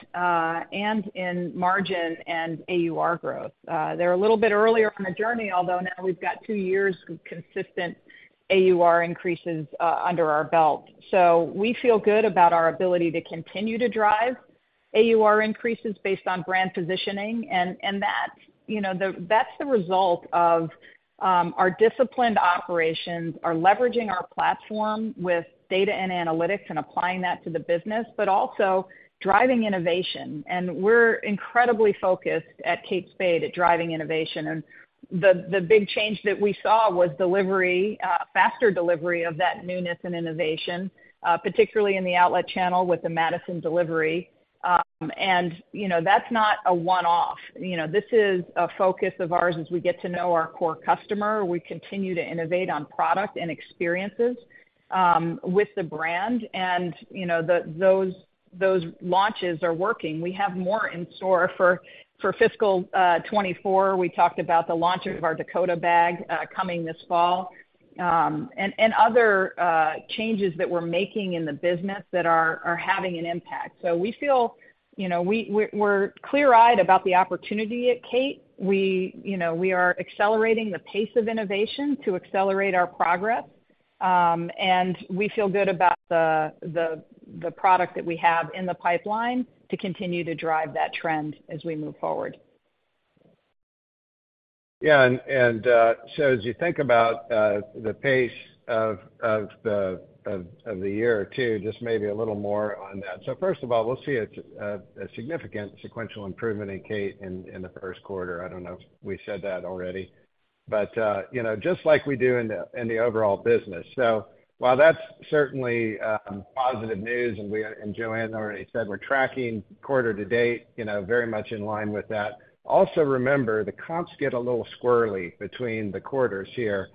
in margin and AUR growth. They're a little bit earlier on the journey, although now we've got two years of consistent AUR increases under our belt. So we feel good about our ability to continue to drive AUR increases based on brand positioning, and that, you know, that's the result of our disciplined operations, are leveraging our platform with data and analytics and applying that to the business, but also driving innovation. We're incredibly focused at Kate Spade at driving innovation, and the, the big change that we saw was delivery, faster delivery of that newness and innovation, particularly in the outlet channel with the Madison delivery. You know, that's not a one-off. You know, this is a focus of ours as we get to know our core customer. We continue to innovate on product and experiences with the brand and, you know, the, those, those launches are working. We have more in store for, for fiscal 2024. We talked about the launch of our Dakota bag coming this fall, and other changes that we're making in the business that are having an impact. We feel, you know, we're clear-eyed about the opportunity at Kate. We, you know, we are accelerating the pace of innovation to accelerate our progress. We feel good about the, the, the product that we have in the pipeline to continue to drive that trend as we move forward. Yeah, as you think about the pace of the year too, just maybe a little more on that. First of all, we'll see a significant sequential improvement in Kate in the first quarter. I don't know if we said that already. You know, just like we do in the overall business. While that's certainly positive news, and we-- and Joanne already said we're tracking quarter to date, you know, very much in line with that. Also, remember, the comps get a little squirrely between the quarters here.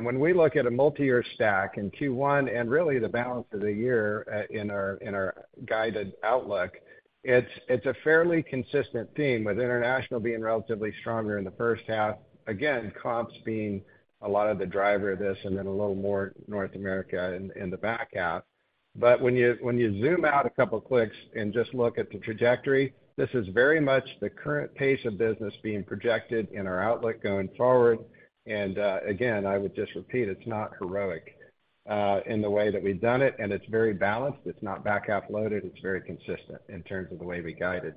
When we look at a multi-year stack in Q1 and really the balance of the year, in our guided outlook, it's a fairly consistent theme, with international being relatively stronger in the first half. Again, comps being a lot of the driver of this and then a little more North America in, in the back half. When you, when you zoom out 2 clicks and just look at the trajectory, this is very much the current pace of business being projected in our outlook going forward. Again, I would just repeat, it's not heroic in the way that we've done it, and it's very balanced. It's not back-half loaded. It's very consistent in terms of the way we guide it.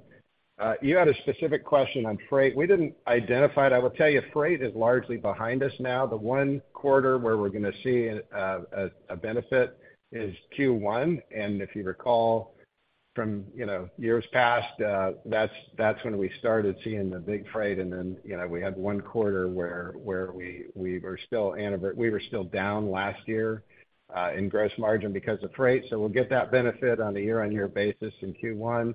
You had a specific question on freight. We didn't identify it. I will tell you, freight is largely behind us now. The 1 quarter where we're gonna see a, a benefit is Q1, and if you recall from, you know, years past, that's, that's when we started seeing the big freight. You know, we had one quarter where, where we, we were still we were still down last year in gross margin because of freight, so we'll get that benefit on a year-on-year basis in Q1.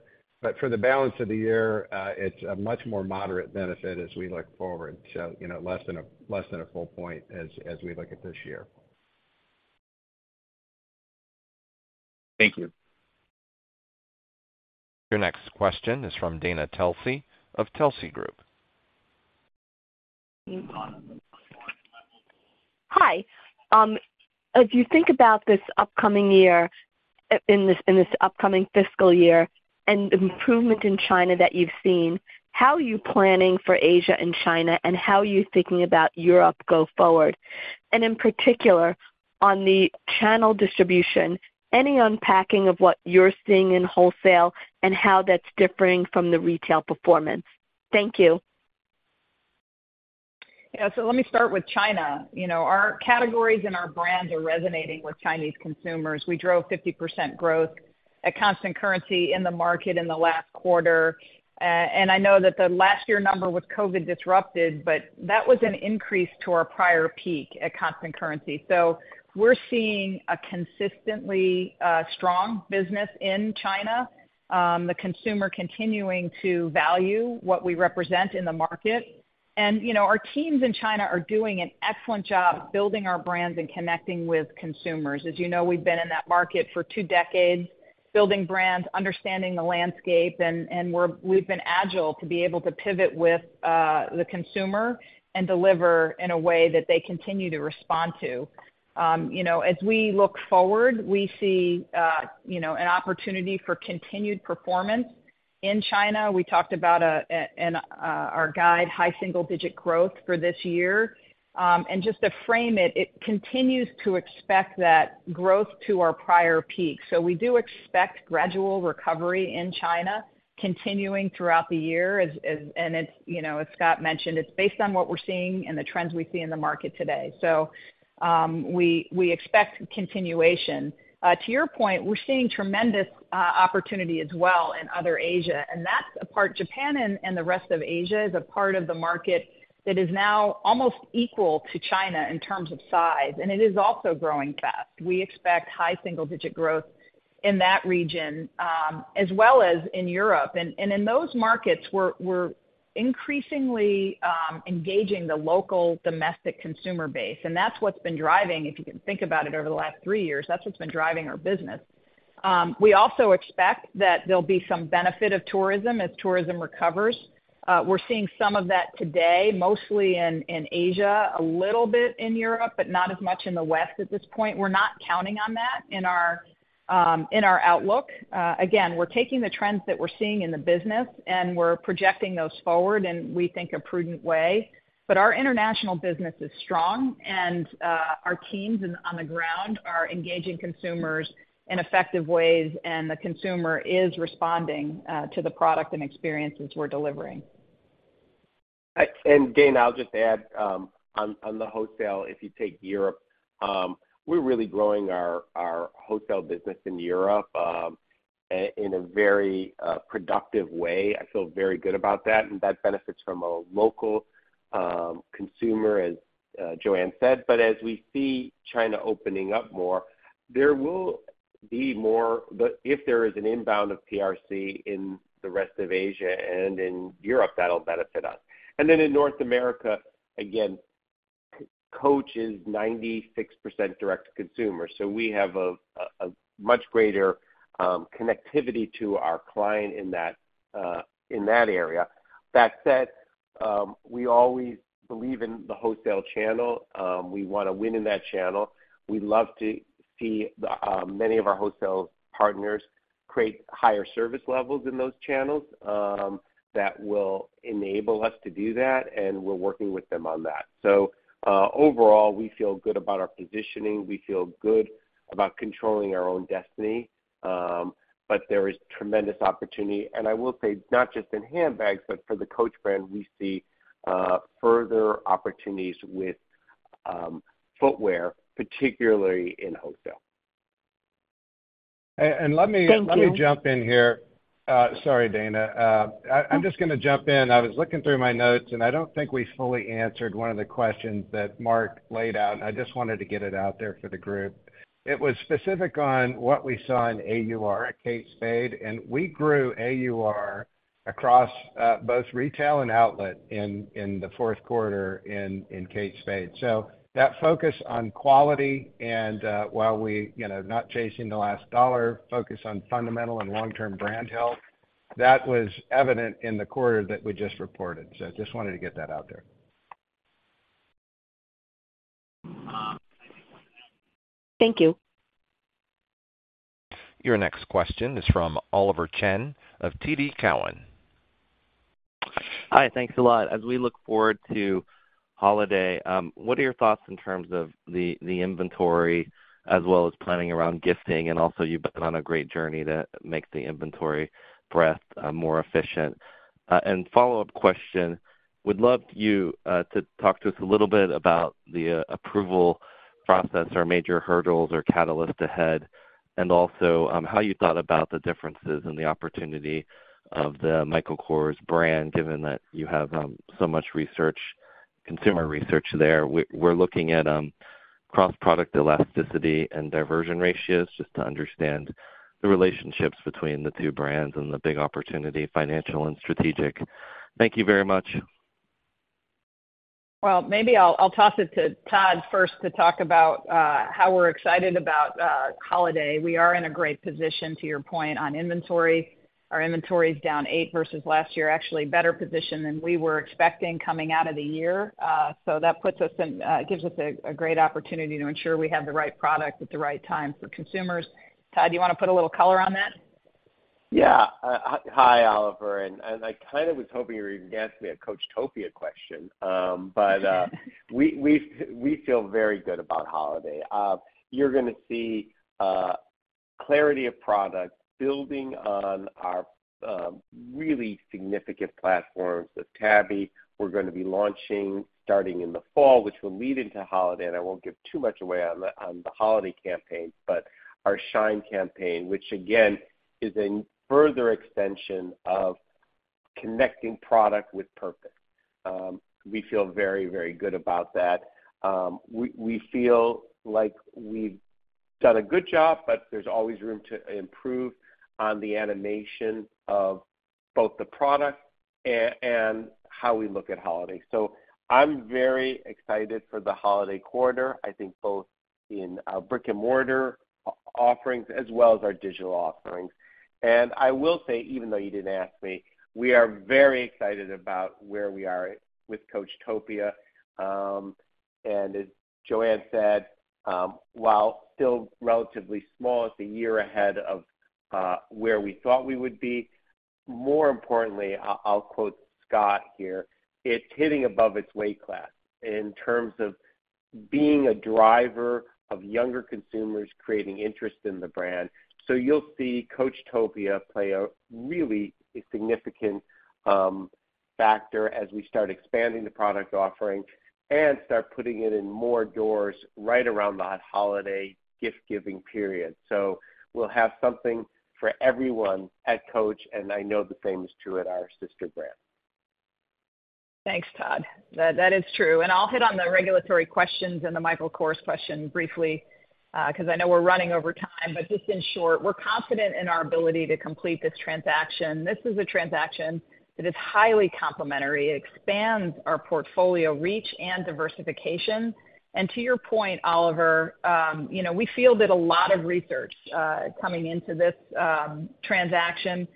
For the balance of the year, it's a much more moderate benefit as we look forward. You know, less than a, less than a full point as, as we look at this year. Thank you. Your next question is from Dana Telsey of Telsey Group. Hi, if you think about this upcoming year, in this, in this upcoming fiscal year and improvement in China that you've seen, how are you planning for Asia and China, and how are you thinking about Europe go forward? In particular, on the channel distribution, any unpacking of what you're seeing in wholesale and how that's differing from the retail performance? Thank you. Yeah. Let me start with China. You know, our categories and our brands are resonating with Chinese consumers. We drove 50% growth at constant currency in the market in the last quarter, and I know that the last year number was COVID-disrupted, but that was an increase to our prior peak at constant currency. We're seeing a consistently strong business in China, the consumer continuing to value what we represent in the market. You know, our teams in China are doing an excellent job building our brands and connecting with consumers. As you know, we've been in that market for 2 decades, building brands, understanding the landscape, and we've been agile to be able to pivot with the consumer and deliver in a way that they continue to respond to. You know, as we look forward, we see, you know, an opportunity for continued performance in China. We talked about a, an, our guide, high single-digit growth for this year. Just to frame it, it continues to expect that growth to our prior peak. We do expect gradual recovery in China, continuing throughout the year, as, as and it's, you know, as Scott mentioned, it's based on what we're seeing and the trends we see in the market today. We, we expect continuation. To your point, we're seeing tremendous opportunity as well in other Asia, and that's a part Japan and, and the rest of Asia is a part of the market that is now almost equal to China in terms of size, and it is also growing fast. We expect high single-digit growth in that region, as well as in Europe. In those markets, we're, we're increasingly, engaging the local domestic consumer base, and that's what's been driving, if you can think about it over the last 3 years, that's what's been driving our business. We also expect that there'll be some benefit of tourism as tourism recovers. We're seeing some of that today, mostly in, in Asia, a little bit in Europe, but not as much in the West at this point. We're not counting on that in our, in our outlook. Again, we're taking the trends that we're seeing in the business, and we're projecting those forward in, we think, a prudent way. Our international business is strong, and our teams on the ground are engaging consumers in effective ways, and the consumer is responding to the product and experiences we're delivering. Dana, I'll just add, on, on the wholesale, if you take Europe, we're really growing our, our hotel business in Europe, in a very productive way. I feel very good about that, and that benefits from a local consumer, as Joanne said. As we see China opening up more, there will be more. If there is an inbound of PRC in the rest of Asia and in Europe, that'll benefit us. In North America, again, Coach is 96% direct-to-consumer. We have a much greater connectivity to our client in that area. That said, we always believe in the wholesale channel. We want to win in that channel. We'd love to see the many of our wholesale partners create higher service levels in those channels, that will enable us to do that, and we're working with them on that. Overall, we feel good about our positioning. We feel good about controlling our own destiny. There is tremendous opportunity, and I will say not just in handbags, but for the Coach brand, we see further opportunities with footwear, particularly in wholesale. And let me- Thank you. Let me jump in here. Sorry, Dana. I-I'm just going to jump in. I was looking through my notes, and I don't think we fully answered one of the questions that Mark laid out, and I just wanted to get it out there for the group. It was specific on what we saw in AUR at Kate Spade, and we grew AUR across both retail and outlet in the fourth quarter in Kate Spade. That focus on quality, and while we, you know, not chasing the last dollar, focus on fundamental and long-term brand health, that was evident in the quarter that we just reported. I just wanted to get that out there. Thank you. Your next question is from Oliver Chen of TD Cowen. Hi, thanks a lot. As we look forward to holiday, what are your thoughts in terms of the inventory as well as planning around gifting? Also, you've been on a great journey to make the inventory breadth more efficient. Follow-up question: Would love you to talk to us a little bit about the approval process or major hurdles or catalyst ahead, and also, how you thought about the differences and the opportunity of the Michael Kors brand, given that you have so much research, consumer research there. We're looking at cross-product elasticity and diversion ratios, just to understand the relationships between the two brands and the big opportunity, financial and strategic. Thank you very much. Well, maybe I'll, I'll toss it to Todd first to talk about how we're excited about holiday. We are in a great position, to your point, on inventory. Our inventory is down 8% versus last year, actually better position than we were expecting coming out of the year. That puts us in, gives us a, a great opportunity to ensure we have the right product at the right time for consumers. Todd, do you want to put a little color on that? Yeah. Hi, Oliver, and I kind of was hoping you were going to ask me a Coachtopia question. We feel very good about holiday. You're going to see clarity of product building on our really significant platforms with Tabby. We're going to be launching, starting in the fall, which will lead into holiday, and I won't give too much away on the holiday campaign, but our Shine campaign, which again, is a further extension of connecting product with purpose. We feel very, very good about that. We feel like we've done a good job, but there's always room to improve on the animation of both the product and how we look at holiday. I'm very excited for the holiday quarter, I think both in our brick-and-mortar offerings as well as our digital offerings. I will say, even though you didn't ask me, we are very excited about where we are with Coachtopia. As Joanne said, while still relatively small, it's a year ahead of where we thought we would be. More importantly, I'll quote Scott here: "It's hitting above its weight class" in terms of being a driver of younger consumers creating interest in the brand. You'll see Coachtopia play a really significant factor as we start expanding the product offering and start putting it in more doors right around that holiday gift-giving period. We'll have something for everyone at Coach, and I know the same is true at our sister brand. Thanks, Todd. That, that is true, and I'll hit on the regulatory questions and the Michael Kors question briefly, because I know we're running over time. Just in short, we're confident in our ability to complete this transaction. This is a transaction that is highly complementary. It expands our portfolio reach and diversification. To your point, Oliver, you know, we feel that a lot of research coming into this transaction.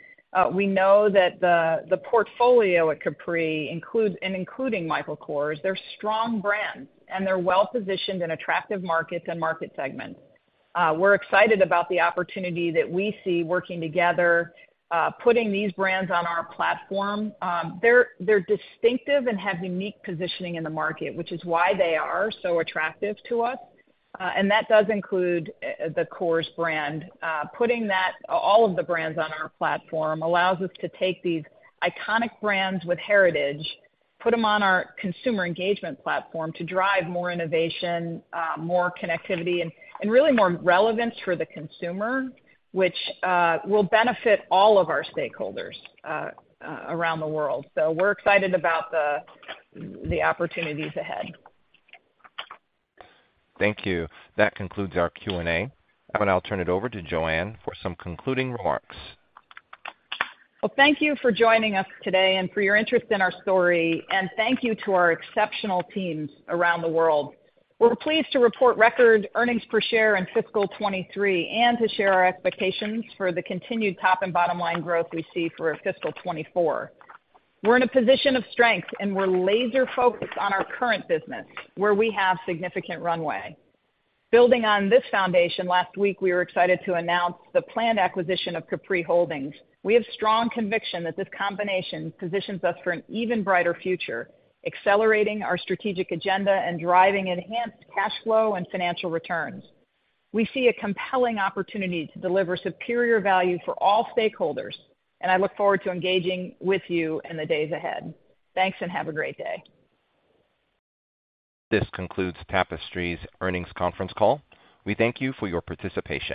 We know that the, the portfolio at Capri includes, and including Michael Kors, they're strong brands, and they're well-positioned in attractive markets and market segments. We're excited about the opportunity that we see working together, putting these brands on our platform. They're, they're distinctive and have unique positioning in the market, which is why they are so attractive to us, and that does include the Kors brand. Putting that, all of the brands on our platform allows us to take these iconic brands with heritage, put them on our consumer engagement platform to drive more innovation, more connectivity, and, and really more relevance for the consumer, which will benefit all of our stakeholders, around the world. We're excited about the, the opportunities ahead. Thank you. That concludes our Q&A, and I'll turn it over to Joanne for some concluding remarks. Well, thank you for joining us today and for your interest in our story, thank you to our exceptional teams around the world. We're pleased to report record earnings per share in fiscal 2023 and to share our expectations for the continued top and bottom line growth we see for fiscal 2024. We're in a position of strength, we're laser focused on our current business, where we have significant runway. Building on this foundation, last week, we were excited to announce the planned acquisition of Capri Holdings. We have strong conviction that this combination positions us for an even brighter future, accelerating our strategic agenda and driving enhanced cash flow and financial returns. We see a compelling opportunity to deliver superior value for all stakeholders, I look forward to engaging with you in the days ahead. Thanks, and have a great day. This concludes Tapestry's earnings conference call. We thank you for your participation.